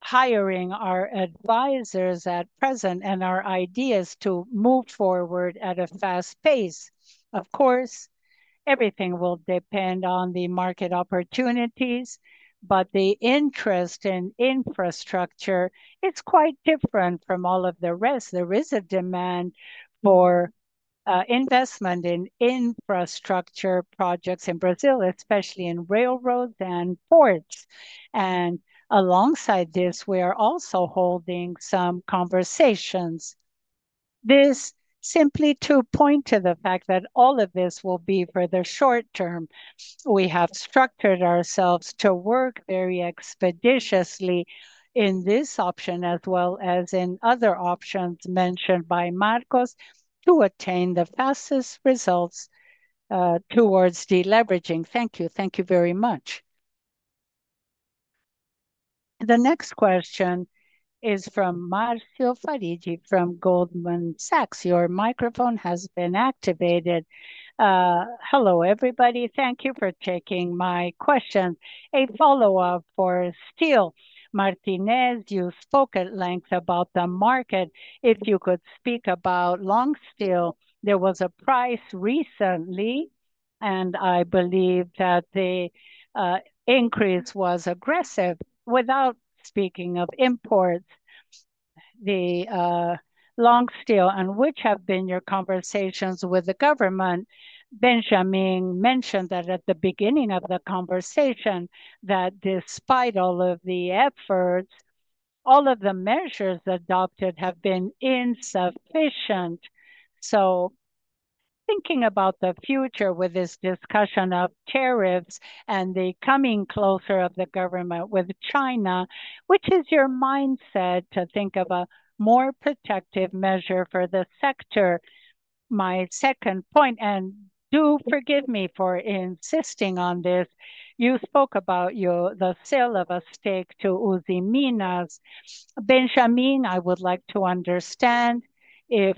hiring our advisors at present and our idea is to move forward at a fast pace. Of course, everything will depend on the market opportunities, but the interest in infrastructure, it's quite different from all of the rest. There is a demand for investment in infrastructure projects in Brazil, especially in railroads and ports. Alongside this, we are also holding some conversations. This is simply to point to the fact that all of this will be for the short term. We have structured ourselves to work very expeditiously in this option, as well as in other options mentioned by Marco, to attain the fastest results towards deleveraging. Thank you. Thank you very much. The next question is from Marcio Farid from Goldman Sachs. Your microphone has been activated. Hello, everybody. Thank you for taking my question. A follow-up for steel. Martinez, you spoke at length about the market. If you could speak about long steel, there was a price recently, and I believe that the increase was aggressive. Without speaking of imports, the long steel, and which have been your conversations with the government, Benjamin mentioned that at the beginning of the conversation that despite all of the efforts, all of the measures adopted have been insufficient. Thinking about the future with this discussion of tariffs and the coming closure of the government with China, which is your mindset to think of a more protective measure for the sector? My second point, and do forgive me for insisting on this, you spoke about the sale of a stake to Usiminas. Benjamin, I would like to understand if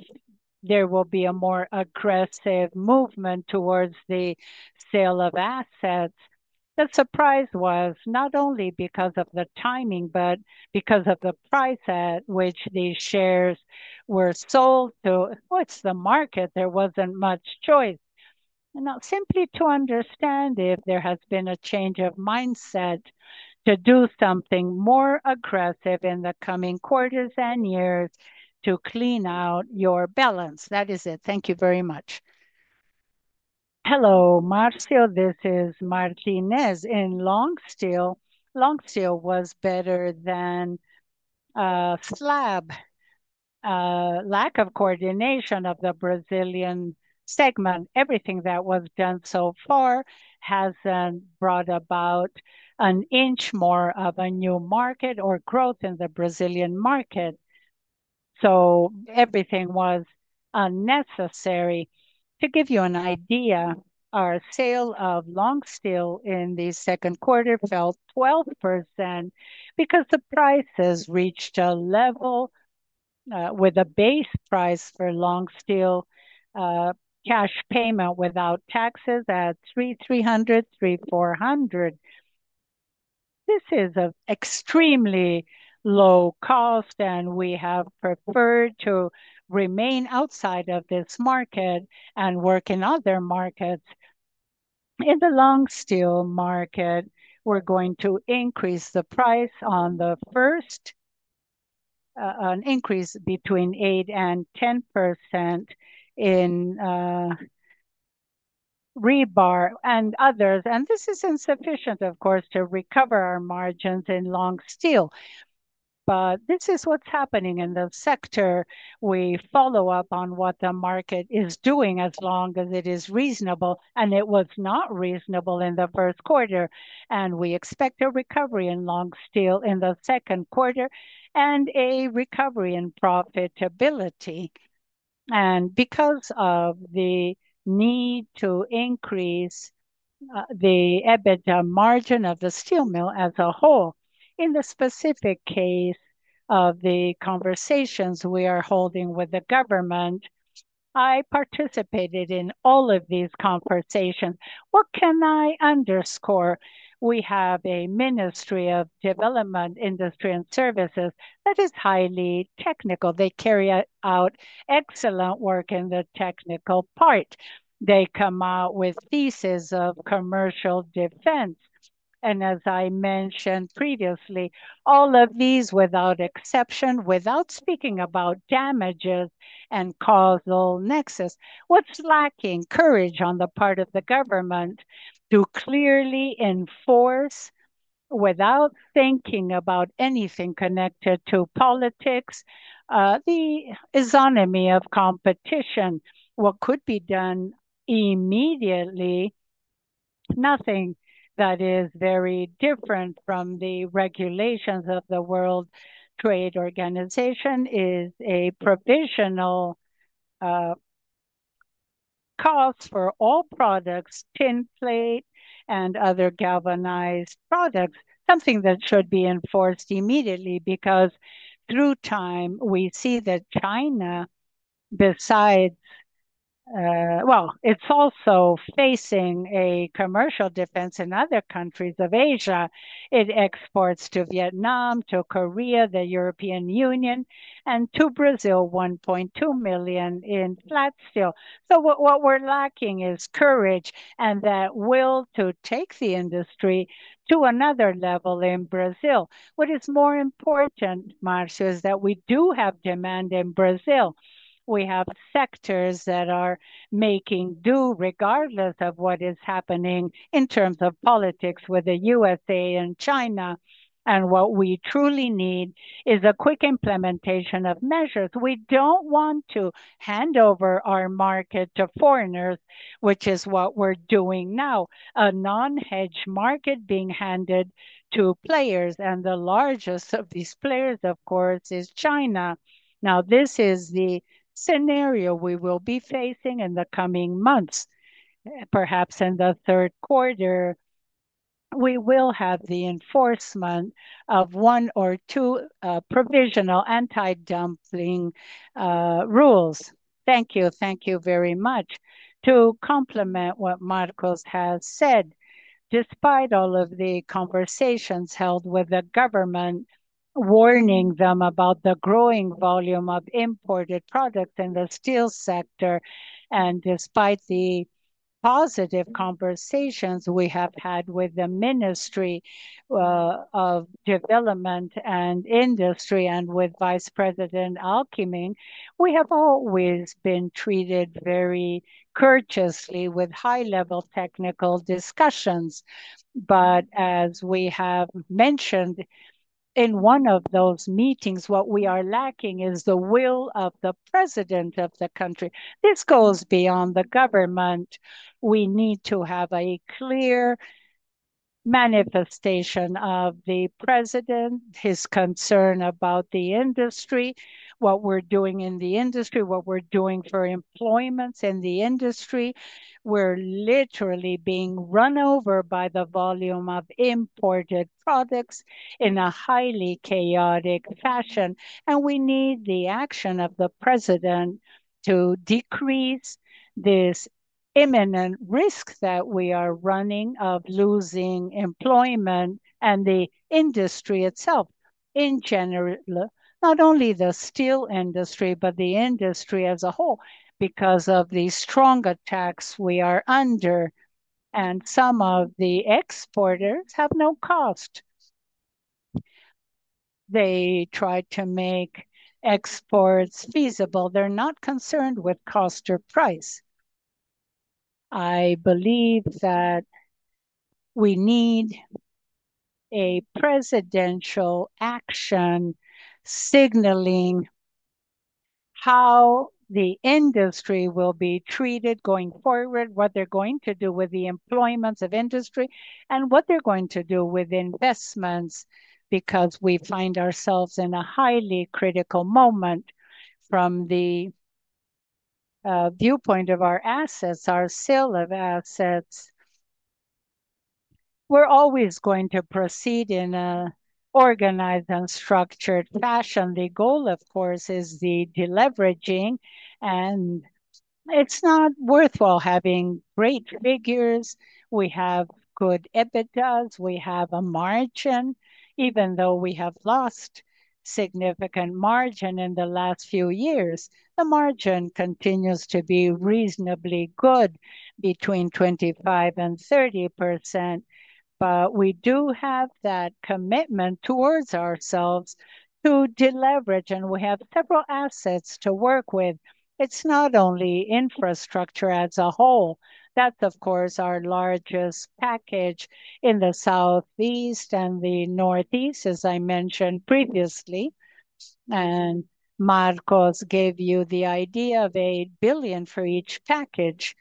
there will be a more aggressive movement towards the sale of assets. The surprise was not only because of the timing, but because of the price at which these shares were sold to, what's the market? There wasn't much choice. Simply to understand if there has been a change of mindset to do something more aggressive in the coming quarters and years to clean out your balance. That is it. Thank you very much. Hello, Marcio. This is Martinez. In long steel, long steel was better than a slab. Lack of coordination of the Brazilian segment. Everything that was done so far hasn't brought about an inch more of a new market or growth in the Brazilian market. Everything was unnecessary. To give you an idea, our sale of long steel in the second quarter fell 12% because the prices reached a level with a base price for long steel cash payment without taxes at 3,300, 3,400. This is an extremely low cost, and we have preferred to remain outside of this market and work in other markets. In the long steel market, we're going to increase the price on the first, an increase between 8% and 10% in rebar and others. This is insufficient, of course, to recover our margins in long steel. This is what's happening in the sector. We follow up on what the market is doing as long as it is reasonable, and it was not reasonable in the first quarter. We expect a recovery in long steel in the second quarter and a recovery in profitability. Because of the need to increase the EBITDA margin of the steel mill as a whole, in the specific case of the conversations we are holding with the government, I participated in all of these conversations. What can I underscore? We have a Ministry of Development, Industry, and Services that is highly technical. They carry out excellent work in the technical part. They come out with thesis of commercial defense. As I mentioned previously, all of these without exception, without speaking about damages and causal nexus. What's lacking? Courage on the part of the government to clearly enforce, without thinking about anything connected to politics, the isonomy of competition. What could be done immediately? Nothing that is very different from the regulations of the World Trade Organization is a provisional cost for all products, tin plate and other galvanized products, something that should be enforced immediately because through time, we see that China, besides, it's also facing a commercial defense in other countries of Asia. It exports to Vietnam, to Korea, the European Union, and to Brazil, 1.2 million in flat steel. What we're lacking is courage and that will to take the industry to another level in Brazil. What is more important, Marcio, is that we do have demand in Brazil. We have sectors that are making do regardless of what is happening in terms of politics with the U.S.A. and China. What we truly need is a quick implementation of measures. We don't want to hand over our market to foreigners, which is what we're doing now. A non-hedge market being handed to players. The largest of these players, of course, is China. This is the scenario we will be facing in the coming months. Perhaps in the third quarter, we will have the enforcement of one or two provisional anti-dumping rules. Thank you. Thank you very much. To complement what Marco has said, despite all of the conversations held with the government, warning them about the growing volume of imported products in the steel sector, and despite the positive conversations we have had with the Ministry of Development and Industry and with Vice President Alckmin, we have always been treated very courteously with high-level technical discussions. As we have mentioned in one of those meetings, what we are lacking is the will of the president of the country. This goes beyond the government. We need to have a clear manifestation of the president, his concern about the industry, what we're doing in the industry, what we're doing for employments in the industry. We're literally being run over by the volume of imported products in a highly chaotic fashion. We need the action of the president to decrease this imminent risk that we are running of losing employment and the industry itself, in general, not only the steel industry, but the industry as a whole, because of the strong attacks we are under. Some of the exporters have no cost. They try to make exports feasible. They're not concerned with cost or price. I believe that we need a presidential action signaling how the industry will be treated going forward, what they're going to do with the employments of industry, and what they're going to do with investments, because we find ourselves in a highly critical moment from the viewpoint of our assets, our sale of assets. We're always going to proceed in an organized and structured fashion. The goal, of course, is the deleveraging, and it's not worthwhile having great figures. We have good EBITDAs. We have a margin. Even though we have lost significant margin in the last few years, the margin continues to be reasonably good between 25% and 30%. We do have that commitment towards ourselves to deleverage, and we have several assets to work with. It's not only infrastructure as a whole. That's, of course, our largest package in the southeast and the northeast, as I mentioned previously. Marcos gave you the idea of 8 billion for each package.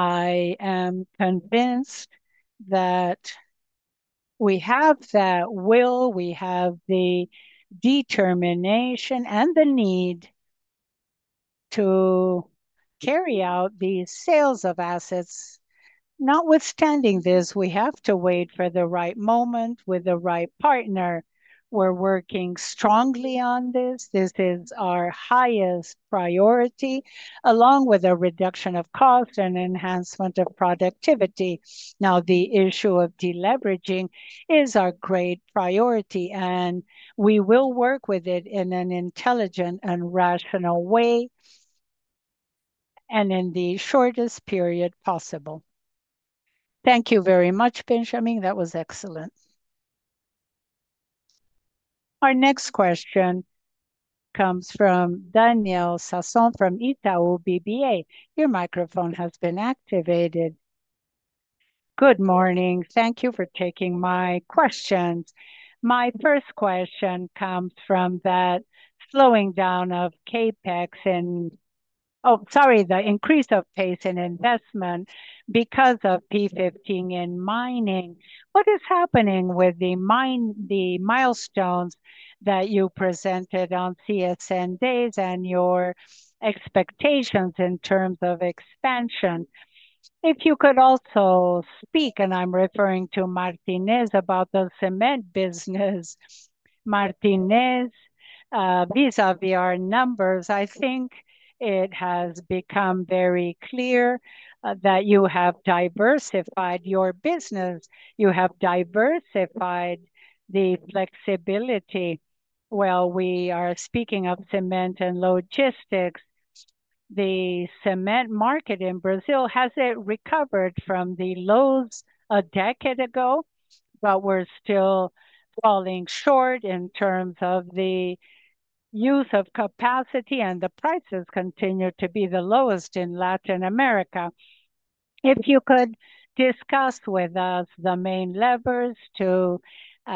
I am convinced that we have that will, we have the determination, and the need to carry out these sales of assets. Notwithstanding this, we have to wait for the right moment with the right partner. We're working strongly on this. This is our highest priority, along with a reduction of cost and enhancement of productivity. Now, the issue of deleveraging is our great priority, and we will work with it in an intelligent and rational way and in the shortest period possible. Thank you very much, Benjamin. That was excellent. Our next question comes from Daniel Sasson from Itaú BBA. Your microphone has been activated. Good morning. Thank you for taking my questions. My first question comes from that slowing down of CapEx in, oh, sorry, the increase of pace in investment because of the P15 mining project. What is happening with the mine, the milestones that you presented on CSN days, and your expectations in terms of expansion? If you could also speak, and I'm referring to Martinez, about the cement business. Martinez, vis-à-vis our numbers, I think it has become very clear that you have diversified your business. You have diversified the flexibility. We are speaking of cement and logistics. The cement market in Brazil has recovered from the lows a decade ago, but we're still falling short in terms of the use of capacity, and the prices continue to be the lowest in Latin America. If you could discuss with us the main levers to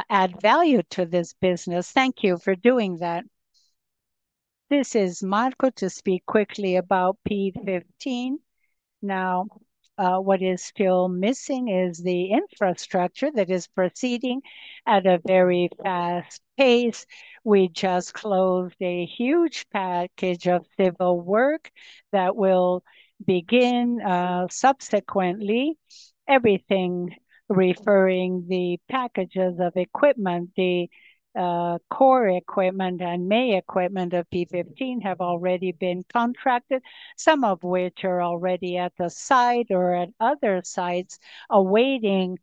add value to this business, thank you for doing that. This is Marco to speak quickly about P15. Now, what is still missing is the infrastructure that is proceeding at a very fast pace. We just closed a huge package of civil work that will begin subsequently. Everything, referring to the packages of equipment, the core equipment and main equipment of P15 have already been contracted, some of which are already at the site or at other sites awaiting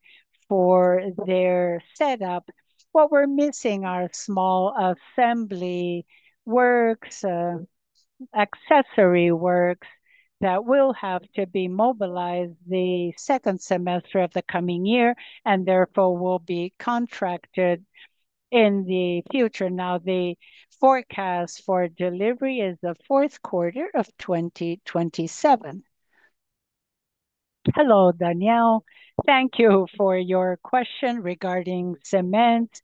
for their setup. What we're missing are small assembly works, accessory works that will have to be mobilized the second semester of the coming year and therefore will be contracted in the future. The forecast for delivery is the fourth quarter of 2027. Hello, Daniel. Thank you for your question regarding cement.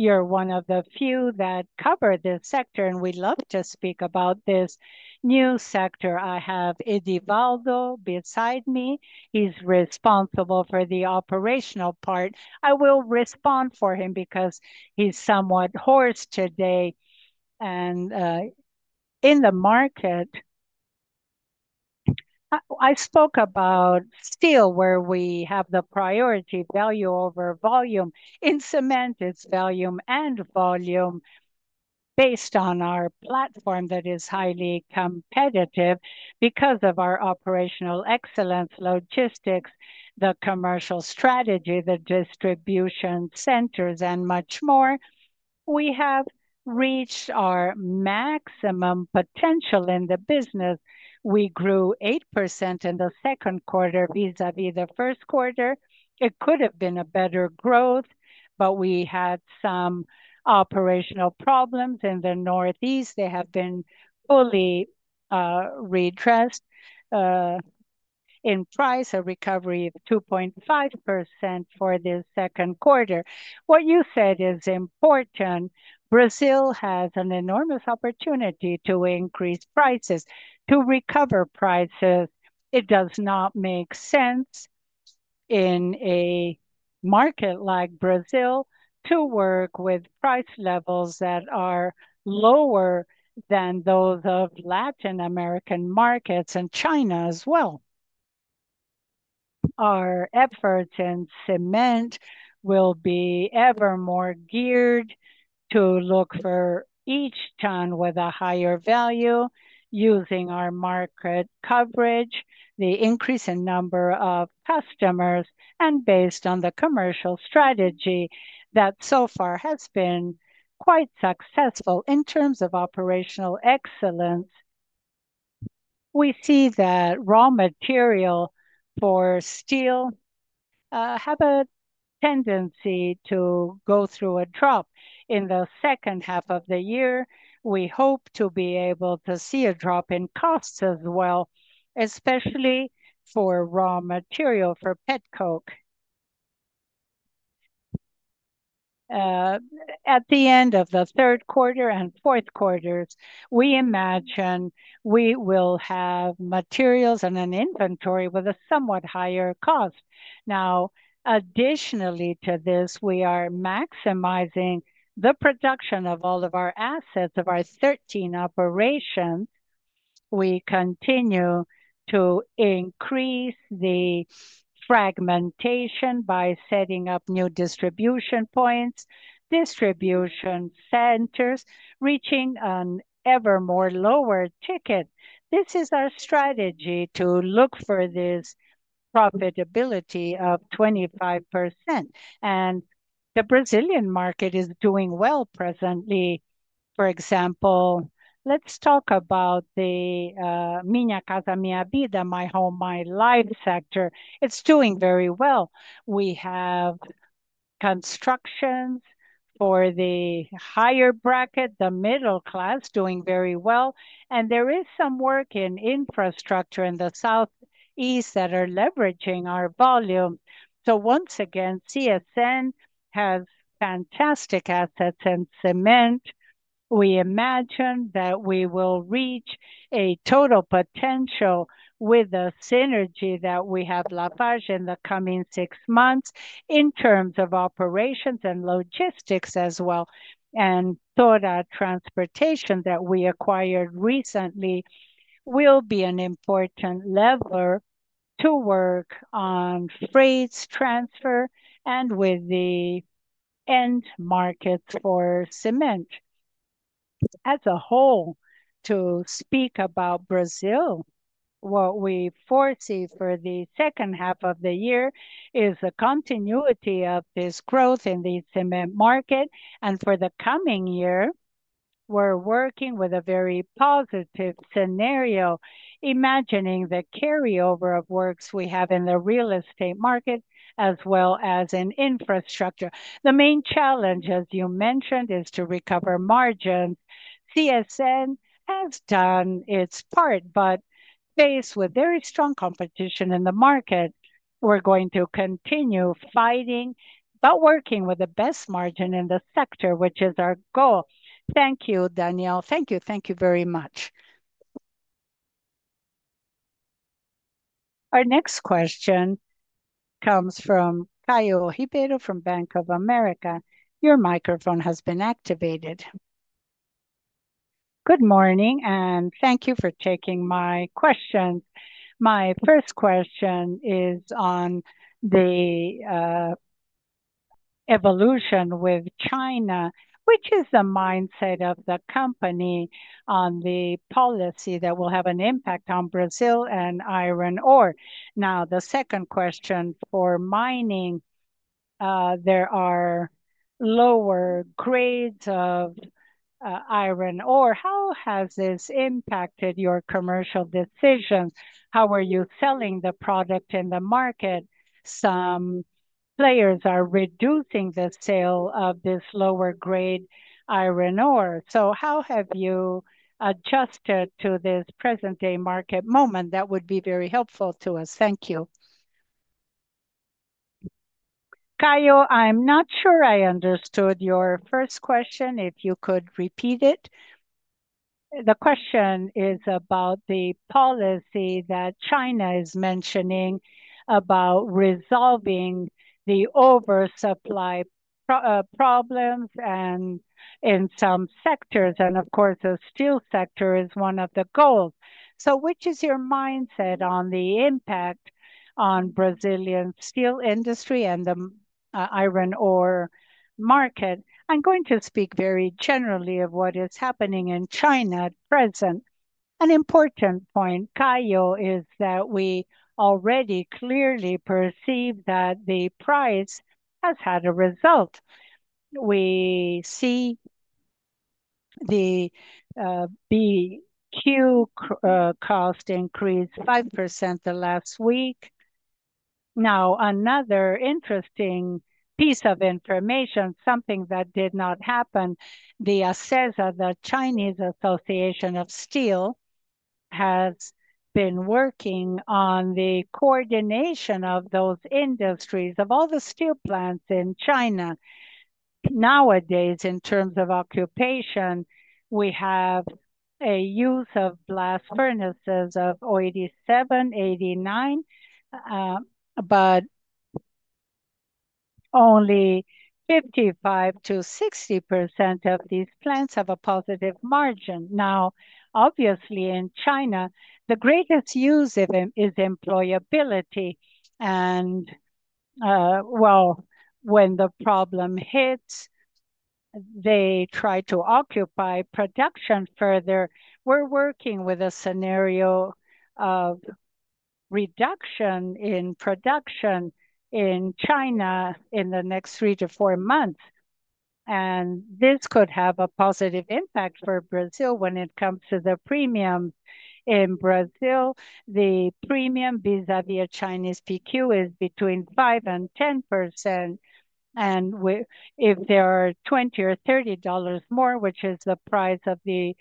You're one of the few that cover this sector, and we'd love to speak about this new sector. I have Edivaldo beside me. He's responsible for the operational part. I will respond for him because he's somewhat hoarse today. In the market, I spoke about steel, where we have the priority value over volume. In cement, it's volume and volume based on our platform that is highly competitive because of our operational excellence, logistics, the commercial strategy, the distribution centers, and much more. We have reached our maximum potential in the business. We grew 8% in the second quarter vis-à-vis the first quarter. It could have been a better growth, but we had some operational problems in the Northeast. They have been fully redressed. In price, a recovery of 2.5% for the second quarter. What you said is important. Brazil has an enormous opportunity to increase prices, to recover prices. It does not make sense in a market like Brazil to work with price levels that are lower than those of Latin American markets and China as well. Our efforts in cement will be ever more geared to look for each ton with a higher value, using our market coverage, the increase in number of customers, and based on the commercial strategy that so far has been quite successful in terms of operational excellence. We see that raw material for steel has a tendency to go through a drop in the second half of the year. We hope to be able to see a drop in costs as well, especially for raw material for petcoke. At the end of the third quarter and fourth quarter, we imagine we will have materials and an inventory with a somewhat higher cost. Now, additionally to this, we are maximizing the production of all of our assets of our 13 operations. We continue to increase the fragmentation by setting up new distribution points, distribution centers, reaching an ever more lower ticket. This is our strategy to look for this profitability of 25%. The Brazilian market is doing well presently. For example, let's talk about the Minha Casa Minha Vida, My Home, My Life sector. It's doing very well. We have constructions for the higher bracket, the middle class doing very well. There is some work in infrastructure in the Southeast that are leveraging our volume. Once again, CSN has fantastic assets in cement. We imagine that we will reach a total potential with the synergy that we have La Paz in the coming six months in terms of operations and logistics as well. TORA Transportation that we acquired recently will be an important lever to work on freight transfer and with the end markets for cement. As a whole, to speak about Brazil, what we foresee for the second half of the year is the continuity of this growth in the cement market. For the coming year, we're working with a very positive scenario, imagining the carryover of works we have in the real estate market as well as in infrastructure. The main challenge, as you mentioned, is to recover margins. CSN has done its part, but faced with very strong competition in the market. We're going to continue fighting but working with the best margin in the sector, which is our goal. Thank you, Daniel. Thank you. Thank you very much. Our next question comes from Caio Ribeiro from Bank of America. Your microphone has been activated. Good morning, and thank you for taking my question. My first question is on the evolution with China, which is the mindset of the company on the policy that will have an impact on Brazil and iron ore. The second question for mining, there are lower grades of iron ore. How has this impacted your commercial decisions? How are you selling the product in the market? Some players are reducing the sale of this lower grade iron ore. How have you adjusted to this present-day market moment? That would be very helpful to us. Thank you. Caio, I'm not sure I understood your first question. If you could repeat it. The question is about the policy that China is mentioning about resolving the oversupply problems in some sectors. Of course, the steel sector is one of the goals. Which is your mindset on the impact on the Brazilian steel industry and the iron ore market? I'm going to speak very generally of what is happening in China at present. An important point, Caio, is that we already clearly perceive that the price has had a result. We see the BQ cost increase 5% the last week. Another interesting piece of information, something that did not happen. The Chinese Association of Steel has been working on the coordination of those industries of all the steel plants in China. Nowadays, in terms of occupation, we have a use of blast furnaces of 87, 89, but only 55%-60% of these plants have a positive margin. Obviously, in China, the greatest use of them is employability. When the problem hits, they try to occupy production further. We're working with a scenario of reduction in production in China in the next three to four months. This could have a positive impact for Brazil when it comes to the premium. In Brazil, the premium vis-à-vis a Chinese PQ is between 5% and 10%. If there are $20 or $30 more, which is the price of the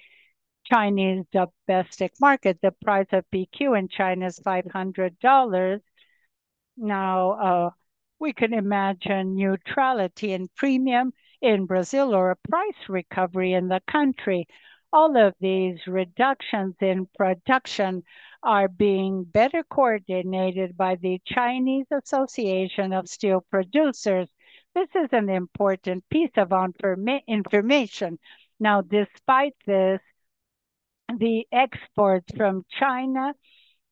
Chinese domestic market, the price of PQ in China is $500. We can imagine neutrality in premium in Brazil or a price recovery in the country. All of these reductions in production are being better coordinated by the Chinese Association of Steel Producers. This is an important piece of information. Despite this, the exports from China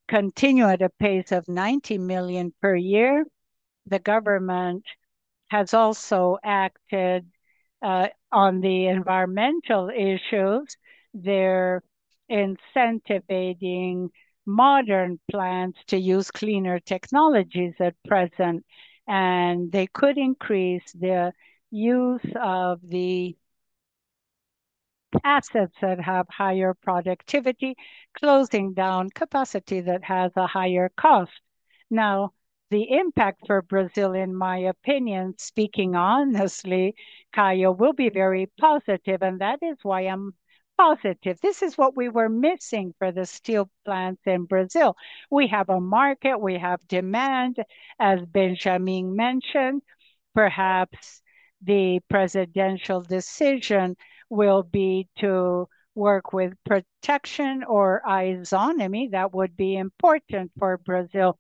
continue at a pace of 90 million per year. The government has also acted on the environmental issues. They're incentivizing modern plants to use cleaner technologies at present. They could increase the use of the assets that have higher productivity, closing down capacity that has a higher cost. The impact for Brazil, in my opinion, speaking honestly, Caio, will be very positive. That is why I'm positive. This is what we were missing for the steel plants in Brazil. We have a market. We have demand. As Benjamin mentioned, perhaps the presidential decision will be to work with protection or isonomy. That would be important for Brazil.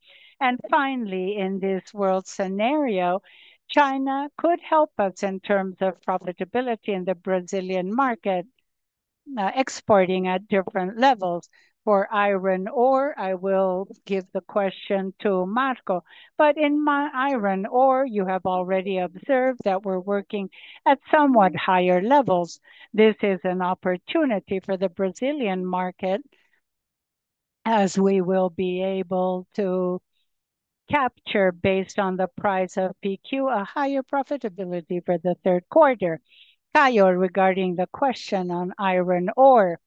Finally, in this world scenario, China could help us in terms of profitability in the Brazilian market, exporting at different levels. For iron ore, I will give the question to Marco. In iron ore, you have already observed that we're working at somewhat higher levels. This is an opportunity for the Brazilian market, as we will be able to capture, based on the price of PQ, a higher profitability for the third quarter. Caio, regarding the question on iron ore,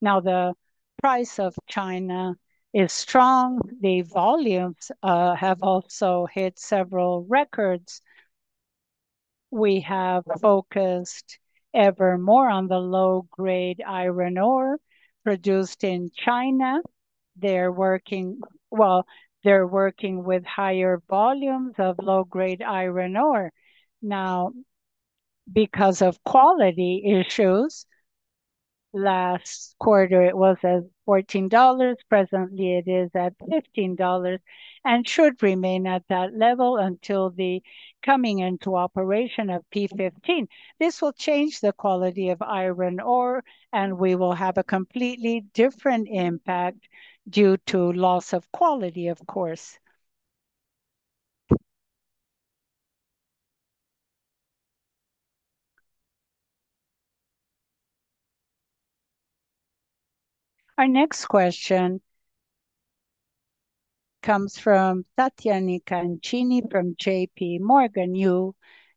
now the price of China is strong. The volumes have also hit several records. We have focused ever more on the low-grade iron ore produced in China. They're working with higher volumes of low-grade iron ore. Now, because of quality issues, last quarter it was at $14. Presently, it is at $15 and should remain at that level until the coming into operation of P15. This will change the quality of iron ore, and we will have a completely different impact due to loss of quality, of course. Our next question comes from [Tatiani Cancini] from JPMorgan.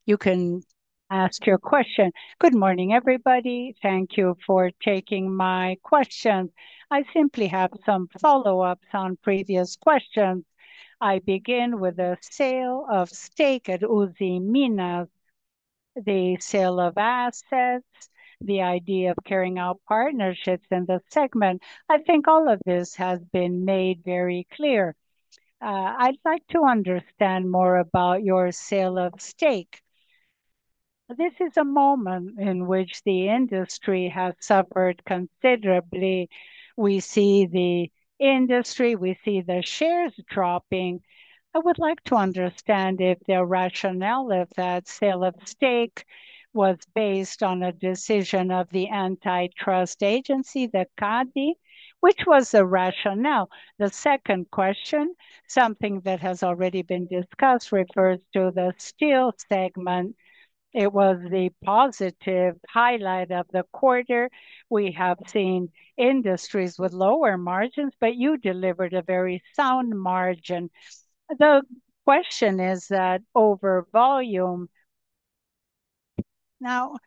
You can ask your question. Good morning, everybody. Thank you for taking my question. I simply have some follow-ups on previous questions. I begin with the sale of stake at Usimnas, the sale of assets, the idea of carrying out partnerships in the segment. I think all of this has been made very clear. I'd like to understand more about your sale of stake. This is a moment in which the industry has suffered considerably. We see the industry, we see the shares dropping. I would like to understand if the rationale of that sale of stake was based on a decision of the antitrust agency, the CADE, which was the rationale. The second question, something that has already been discussed, refers to the steel segment. It was the positive highlight of the quarter. We have seen industries with lower margins, but you delivered a very sound margin. The question is that over volume. Now,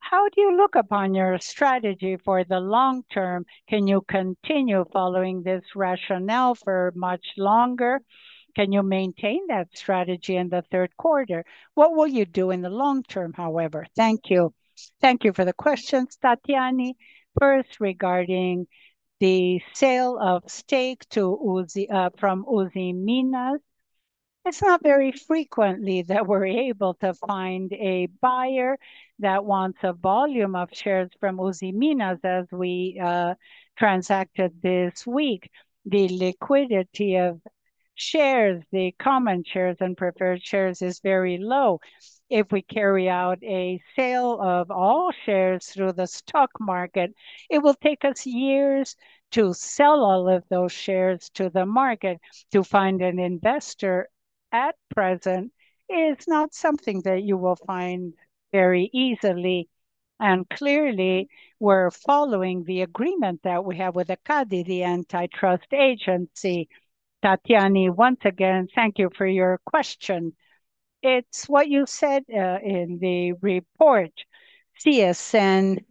how do you look upon your strategy for the long term? Can you continue following this rationale for much longer? Can you maintain that strategy in the third quarter? What will you do in the long term, however? Thank you. Thank you for the question, [Tatiani]. First, regarding the sale of stake from Usiminas, it's not very frequently that we're able to find a buyer that wants a volume of shares from Usiminas as we transacted this week. The liquidity of shares, the common shares and preferred shares, is very low. If we carry out a sale of all shares through the stock market, it will take us years to sell all of those shares to the market. To find an investor at present is not something that you will find very easily. Clearly, we're following the agreement that we have with the antitrust agency. [Tatiani], once again, thank you for your question. It's what you said in the report. CSN,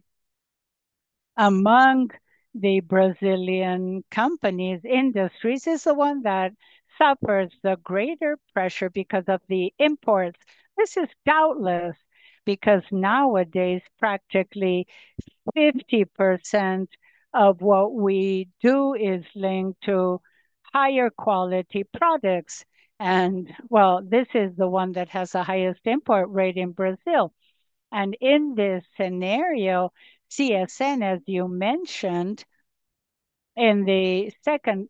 among the Brazilian companies, industries, is the one that suffers the greater pressure because of the imports. This is doubtless because nowadays, practically 50% of what we do is linked to higher quality products. This is the one that has the highest import rate in Brazil. In this scenario, CSN, as you mentioned, in the second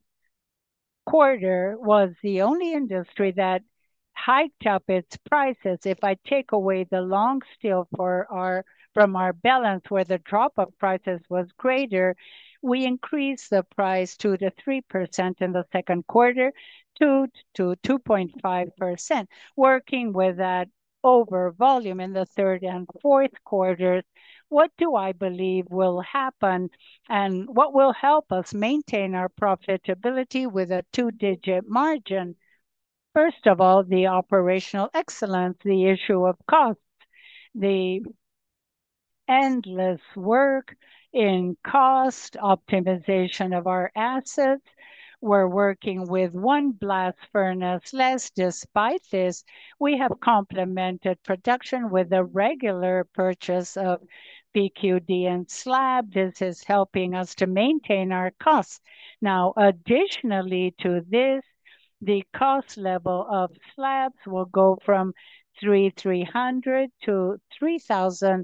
quarter, was the only industry that hiked up its prices. If I take away the long steel from our balance where the drop of prices was greater, we increased the price 2%-3% in the second quarter, 2%-2.5%. Working with that over volume in the third and fourth quarters, what do I believe will happen and what will help us maintain our profitability with a two-digit margin? First of all, the operational excellence, the issue of cost, the endless work in cost optimization of our assets. We're working with one blast furnace less. Despite this, we have complemented production with a regular purchase of PQD and slab. This is helping us to maintain our costs. Additionally to this, the cost level of slabs will go from 3,300-3,000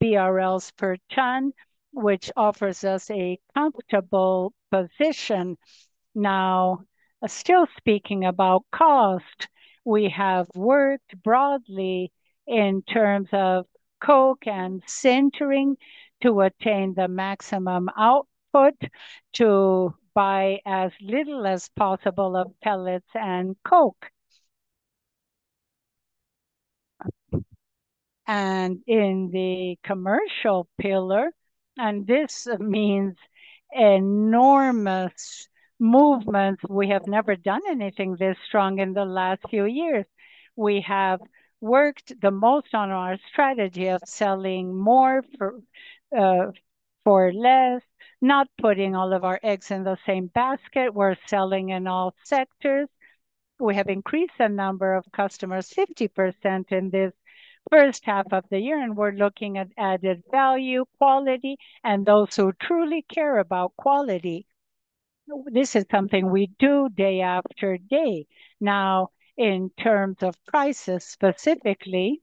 BRL per ton, which offers us a comfortable position. Still speaking about cost, we have worked broadly in terms of coke and sintering to attain the maximum output to buy as little as possible of pellets and coke. In the commercial pillar, and this means enormous movements, we have never done anything this strong in the last few years. We have worked the most on our strategy of selling more for less, not putting all of our eggs in the same basket. We're selling in all sectors. We have increased the number of customers 50% in this first half of the year, and we're looking at added value, quality, and those who truly care about quality. This is something we do day after day. In terms of prices specifically,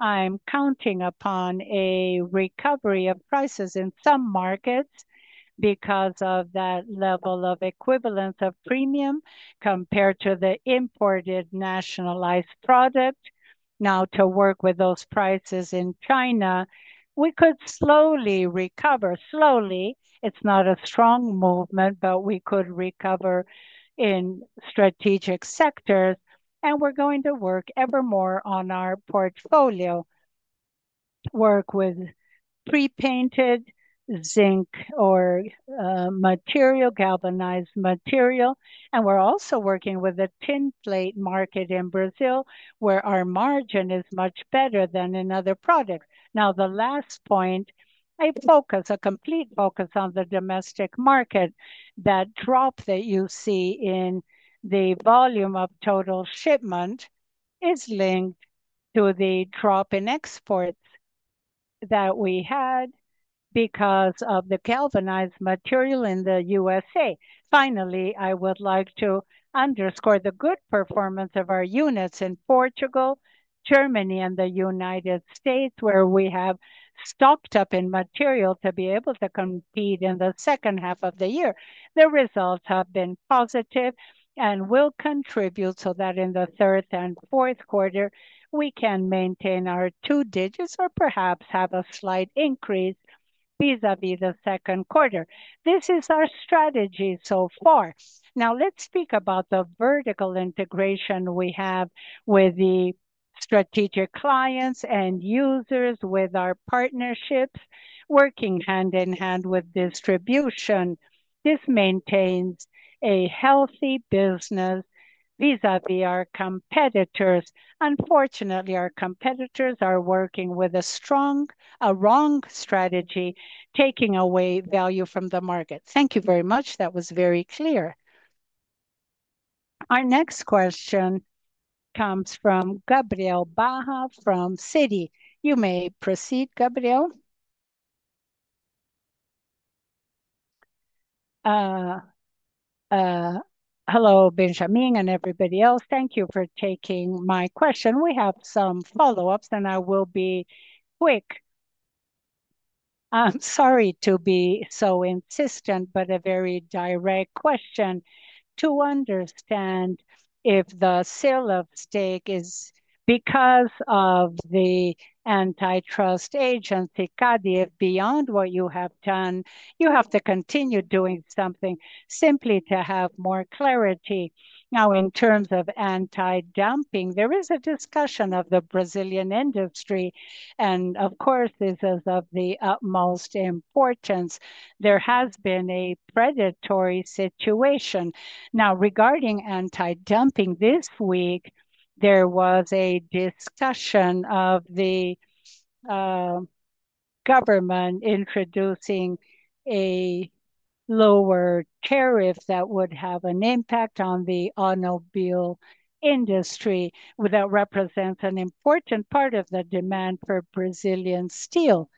I'm counting upon a recovery of prices in some markets because of that level of equivalence of premium compared to the imported nationalized product. To work with those prices in China, we could slowly recover. Slowly. It's not a strong movement, but we could recover in strategic sectors. We're going to work ever more on our portfolio, work with pre-painted zinc or material, galvanized material. We're also working with a tin plate market in Brazil where our margin is much better than in other products. The last point, a focus, a complete focus on the domestic market. That drop that you see in the volume of total shipment is linked to the drop in exports that we had because of the galvanized material in the United States. Finally, I would like to underscore the good performance of our units in Portugal, Germany, and the United States, where we have stocked up in material to be able to compete in the second half of the year. The results have been positive and will contribute so that in the third and fourth quarter, we can maintain our two digits or perhaps have a slight increase vis-à-vis the second quarter. This is our strategy so far. Now, let's speak about the vertical integration we have with the strategic clients and users with our partnerships, working hand in hand with distribution. This maintains a healthy business vis-à-vis our competitors. Unfortunately, our competitors are working with a wrong strategy, taking away value from the market. Thank you very much. That was very clear. Our next question comes from Gabriel Barra from Citi. You may proceed, Gabriel. Hello, Benjamin and everybody else. Thank you for taking my question. We have some follow-ups, and I will be quick. I'm sorry to be so insistent, but a very direct question. To understand if the sale of stake is because of the antitrust agency, CADE, beyond what you have done, you have to continue doing something simply to have more clarity. In terms of anti-dumping, there is a discussion of the Brazilian industry, and of course, this is of the utmost importance. There has been a predatory situation. Regarding anti-dumping, this week, there was a discussion of the government introducing a lower tariff that would have an impact on the automobile industry. That represents an important part of the demand for Brazilian steel.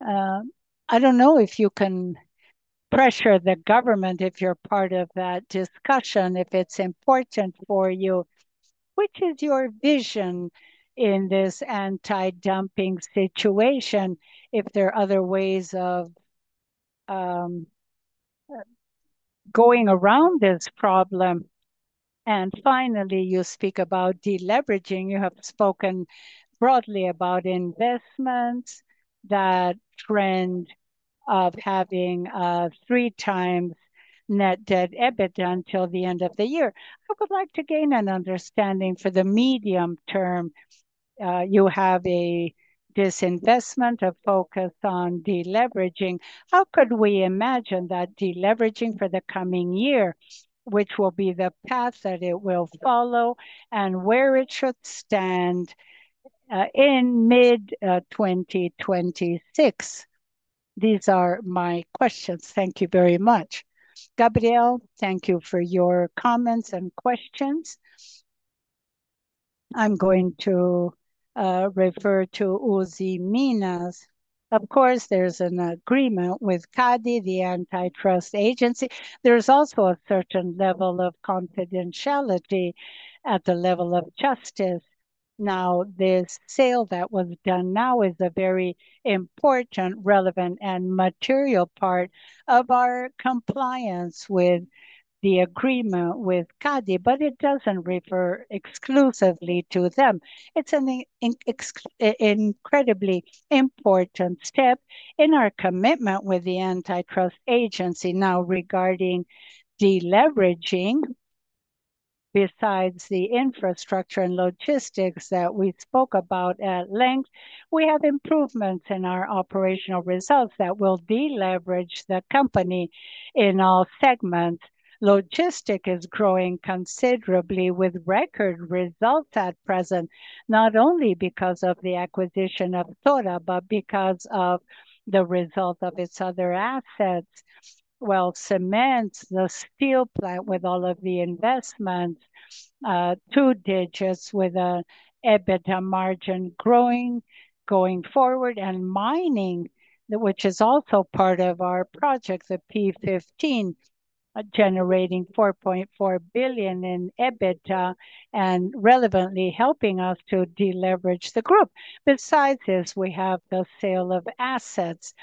I don't know if you can pressure the government if you're part of that discussion, if it's important for you. Which is your vision in this anti-dumping situation? If there are other ways of going around this problem. Finally, you speak about deleveraging. You have spoken broadly about investments, that trend of having 3x net debt/EBITDA until the end of the year. I would like to gain an understanding for the medium term. You have this investment of focus on deleveraging. How could we imagine that deleveraging for the coming year, which will be the path that it will follow and where it should stand in mid-2026? These are my questions. Thank you very much. Gabriel, thank you for your comments and questions. I'm going to refer to Usiminas. Of course, there's an agreement with CADE, the antitrust agency. There's also a certain level of confidentiality at the level of justice. This sale that was done now is a very important, relevant, and material part of our compliance with the agreement with CADE, but it doesn't refer exclusively to them. It's an incredibly important step in our commitment with the antitrust agency. Now, regarding deleveraging, besides the infrastructure and logistics that we spoke about at length, we have improvements in our operational results that will deleverage the company in all segments. Logistics is growing considerably with record results at present, not only because of the acquisition of TORA, but because of the result of its other assets. Cement, the steel plant with all of the investments, two digits with an EBITDA margin growing going forward, and mining, which is also part of our projects at P15, generating 4.4 billion in EBITDA and relevantly helping us to deleverage the group. Besides this, we have the sale of assets.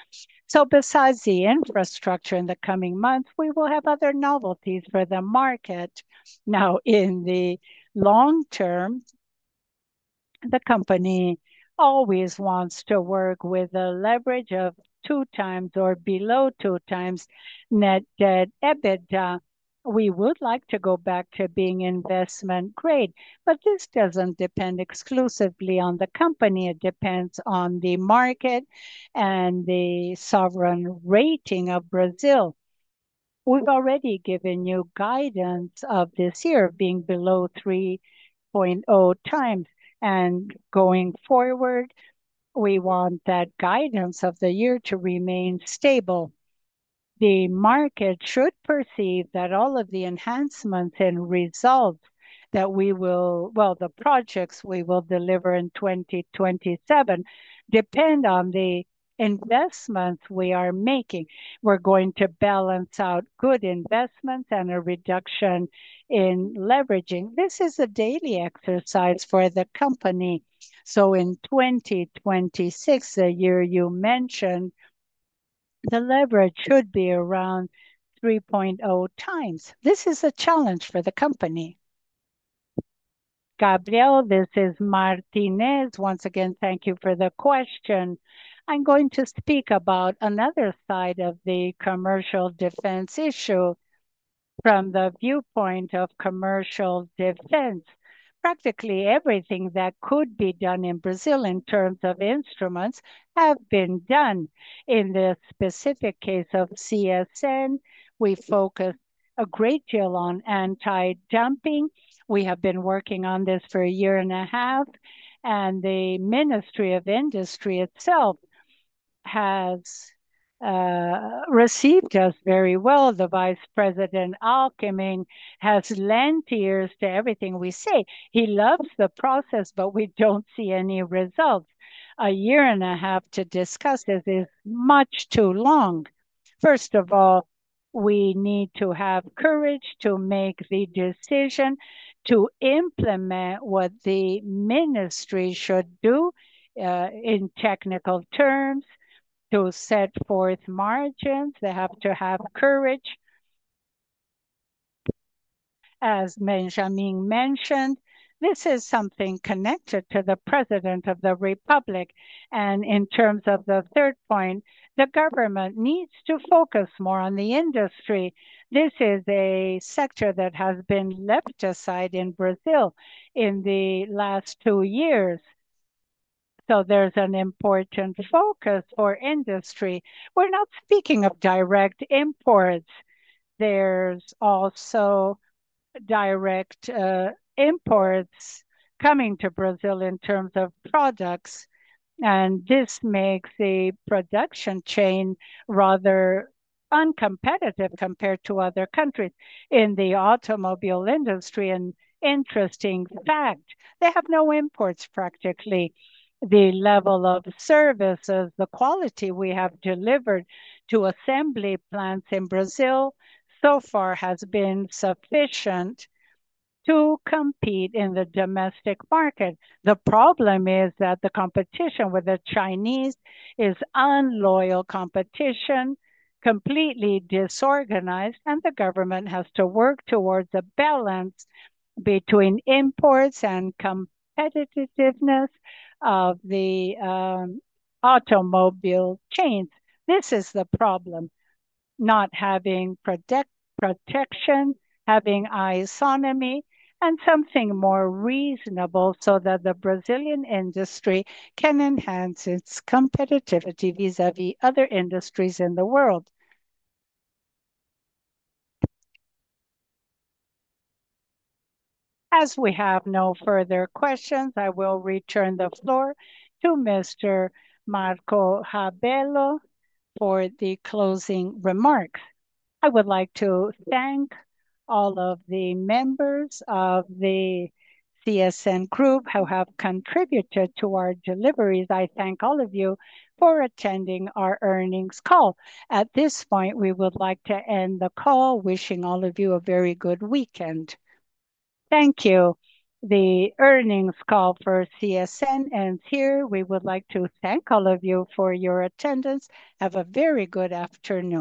Besides the infrastructure, in the coming months, we will have other novelties for the market. In the long term, the company always wants to work with a leverage of 2x or below 2x net debt/EBITDA. We would like to go back to being investment-grade, but this doesn't depend exclusively on the company. It depends on the market and the sovereign rating of Brazil. We've already given you guidance of this year being below 3.0x. Going forward, we want that guidance of the year to remain stable. The market should perceive that all of the enhancements and results that we will, the projects we will deliver in 2027 depend on the investments we are making. We're going to balance out good investments and a reduction in leveraging. This is a daily exercise for the company. In 2026, the year you mentioned, the leverage should be around 3.0x. This is a challenge for the company. Gabriel, this is Martinez. Once again, thank you for the question. I'm going to speak about another side of the commercial defense issue from the viewpoint of commercial defense. Practically everything that could be done in Brazil in terms of instruments has been done. In this specific case of CSN, we focus a great deal on anti-dumping. We have been working on this for a year and a half, and the Ministry of Industry itself has received us very well. The Vice President Alckmin has lent ears to everything we say. He loves the process, but we don't see any results. A year and a half to discuss this is much too long. First of all, we need to have courage to make the decision to implement what the Ministry should do in technical terms to set forth margins. They have to have courage. As Benjamin mentioned, this is something connected to the President of the Republic. In terms of the third point, the government needs to focus more on the industry. This is a sector that has been left aside in Brazil in the last two years. There's an important focus on industry. We're not speaking of direct imports. There's also direct imports coming to Brazil in terms of products. This makes the production chain rather uncompetitive compared to other countries. In the automobile industry, an interesting fact, they have no imports practically. The level of services, the quality we have delivered to assembly plants in Brazil so far has been sufficient to compete in the domestic market. The problem is that the competition with the Chinese is unloyal competition, completely disorganized, and the government has to work towards a balance between imports and competitiveness of the automobile chains. This is the problem. Not having protection, having isonomy, and something more reasonable so that the Brazilian industry can enhance its competitivity vis-à-vis other industries in the world. As we have no further questions, I will return the floor to Mr. Marco Rabello for the closing remarks. I would like to thank all of the members of the CSN group who have contributed to our deliveries. I thank all of you for attending our earnings call. At this point, we would like to end the call wishing all of you a very good weekend. Thank you. The earnings call for CSN ends here. We would like to thank all of you for your attendance. Have a very good afternoon.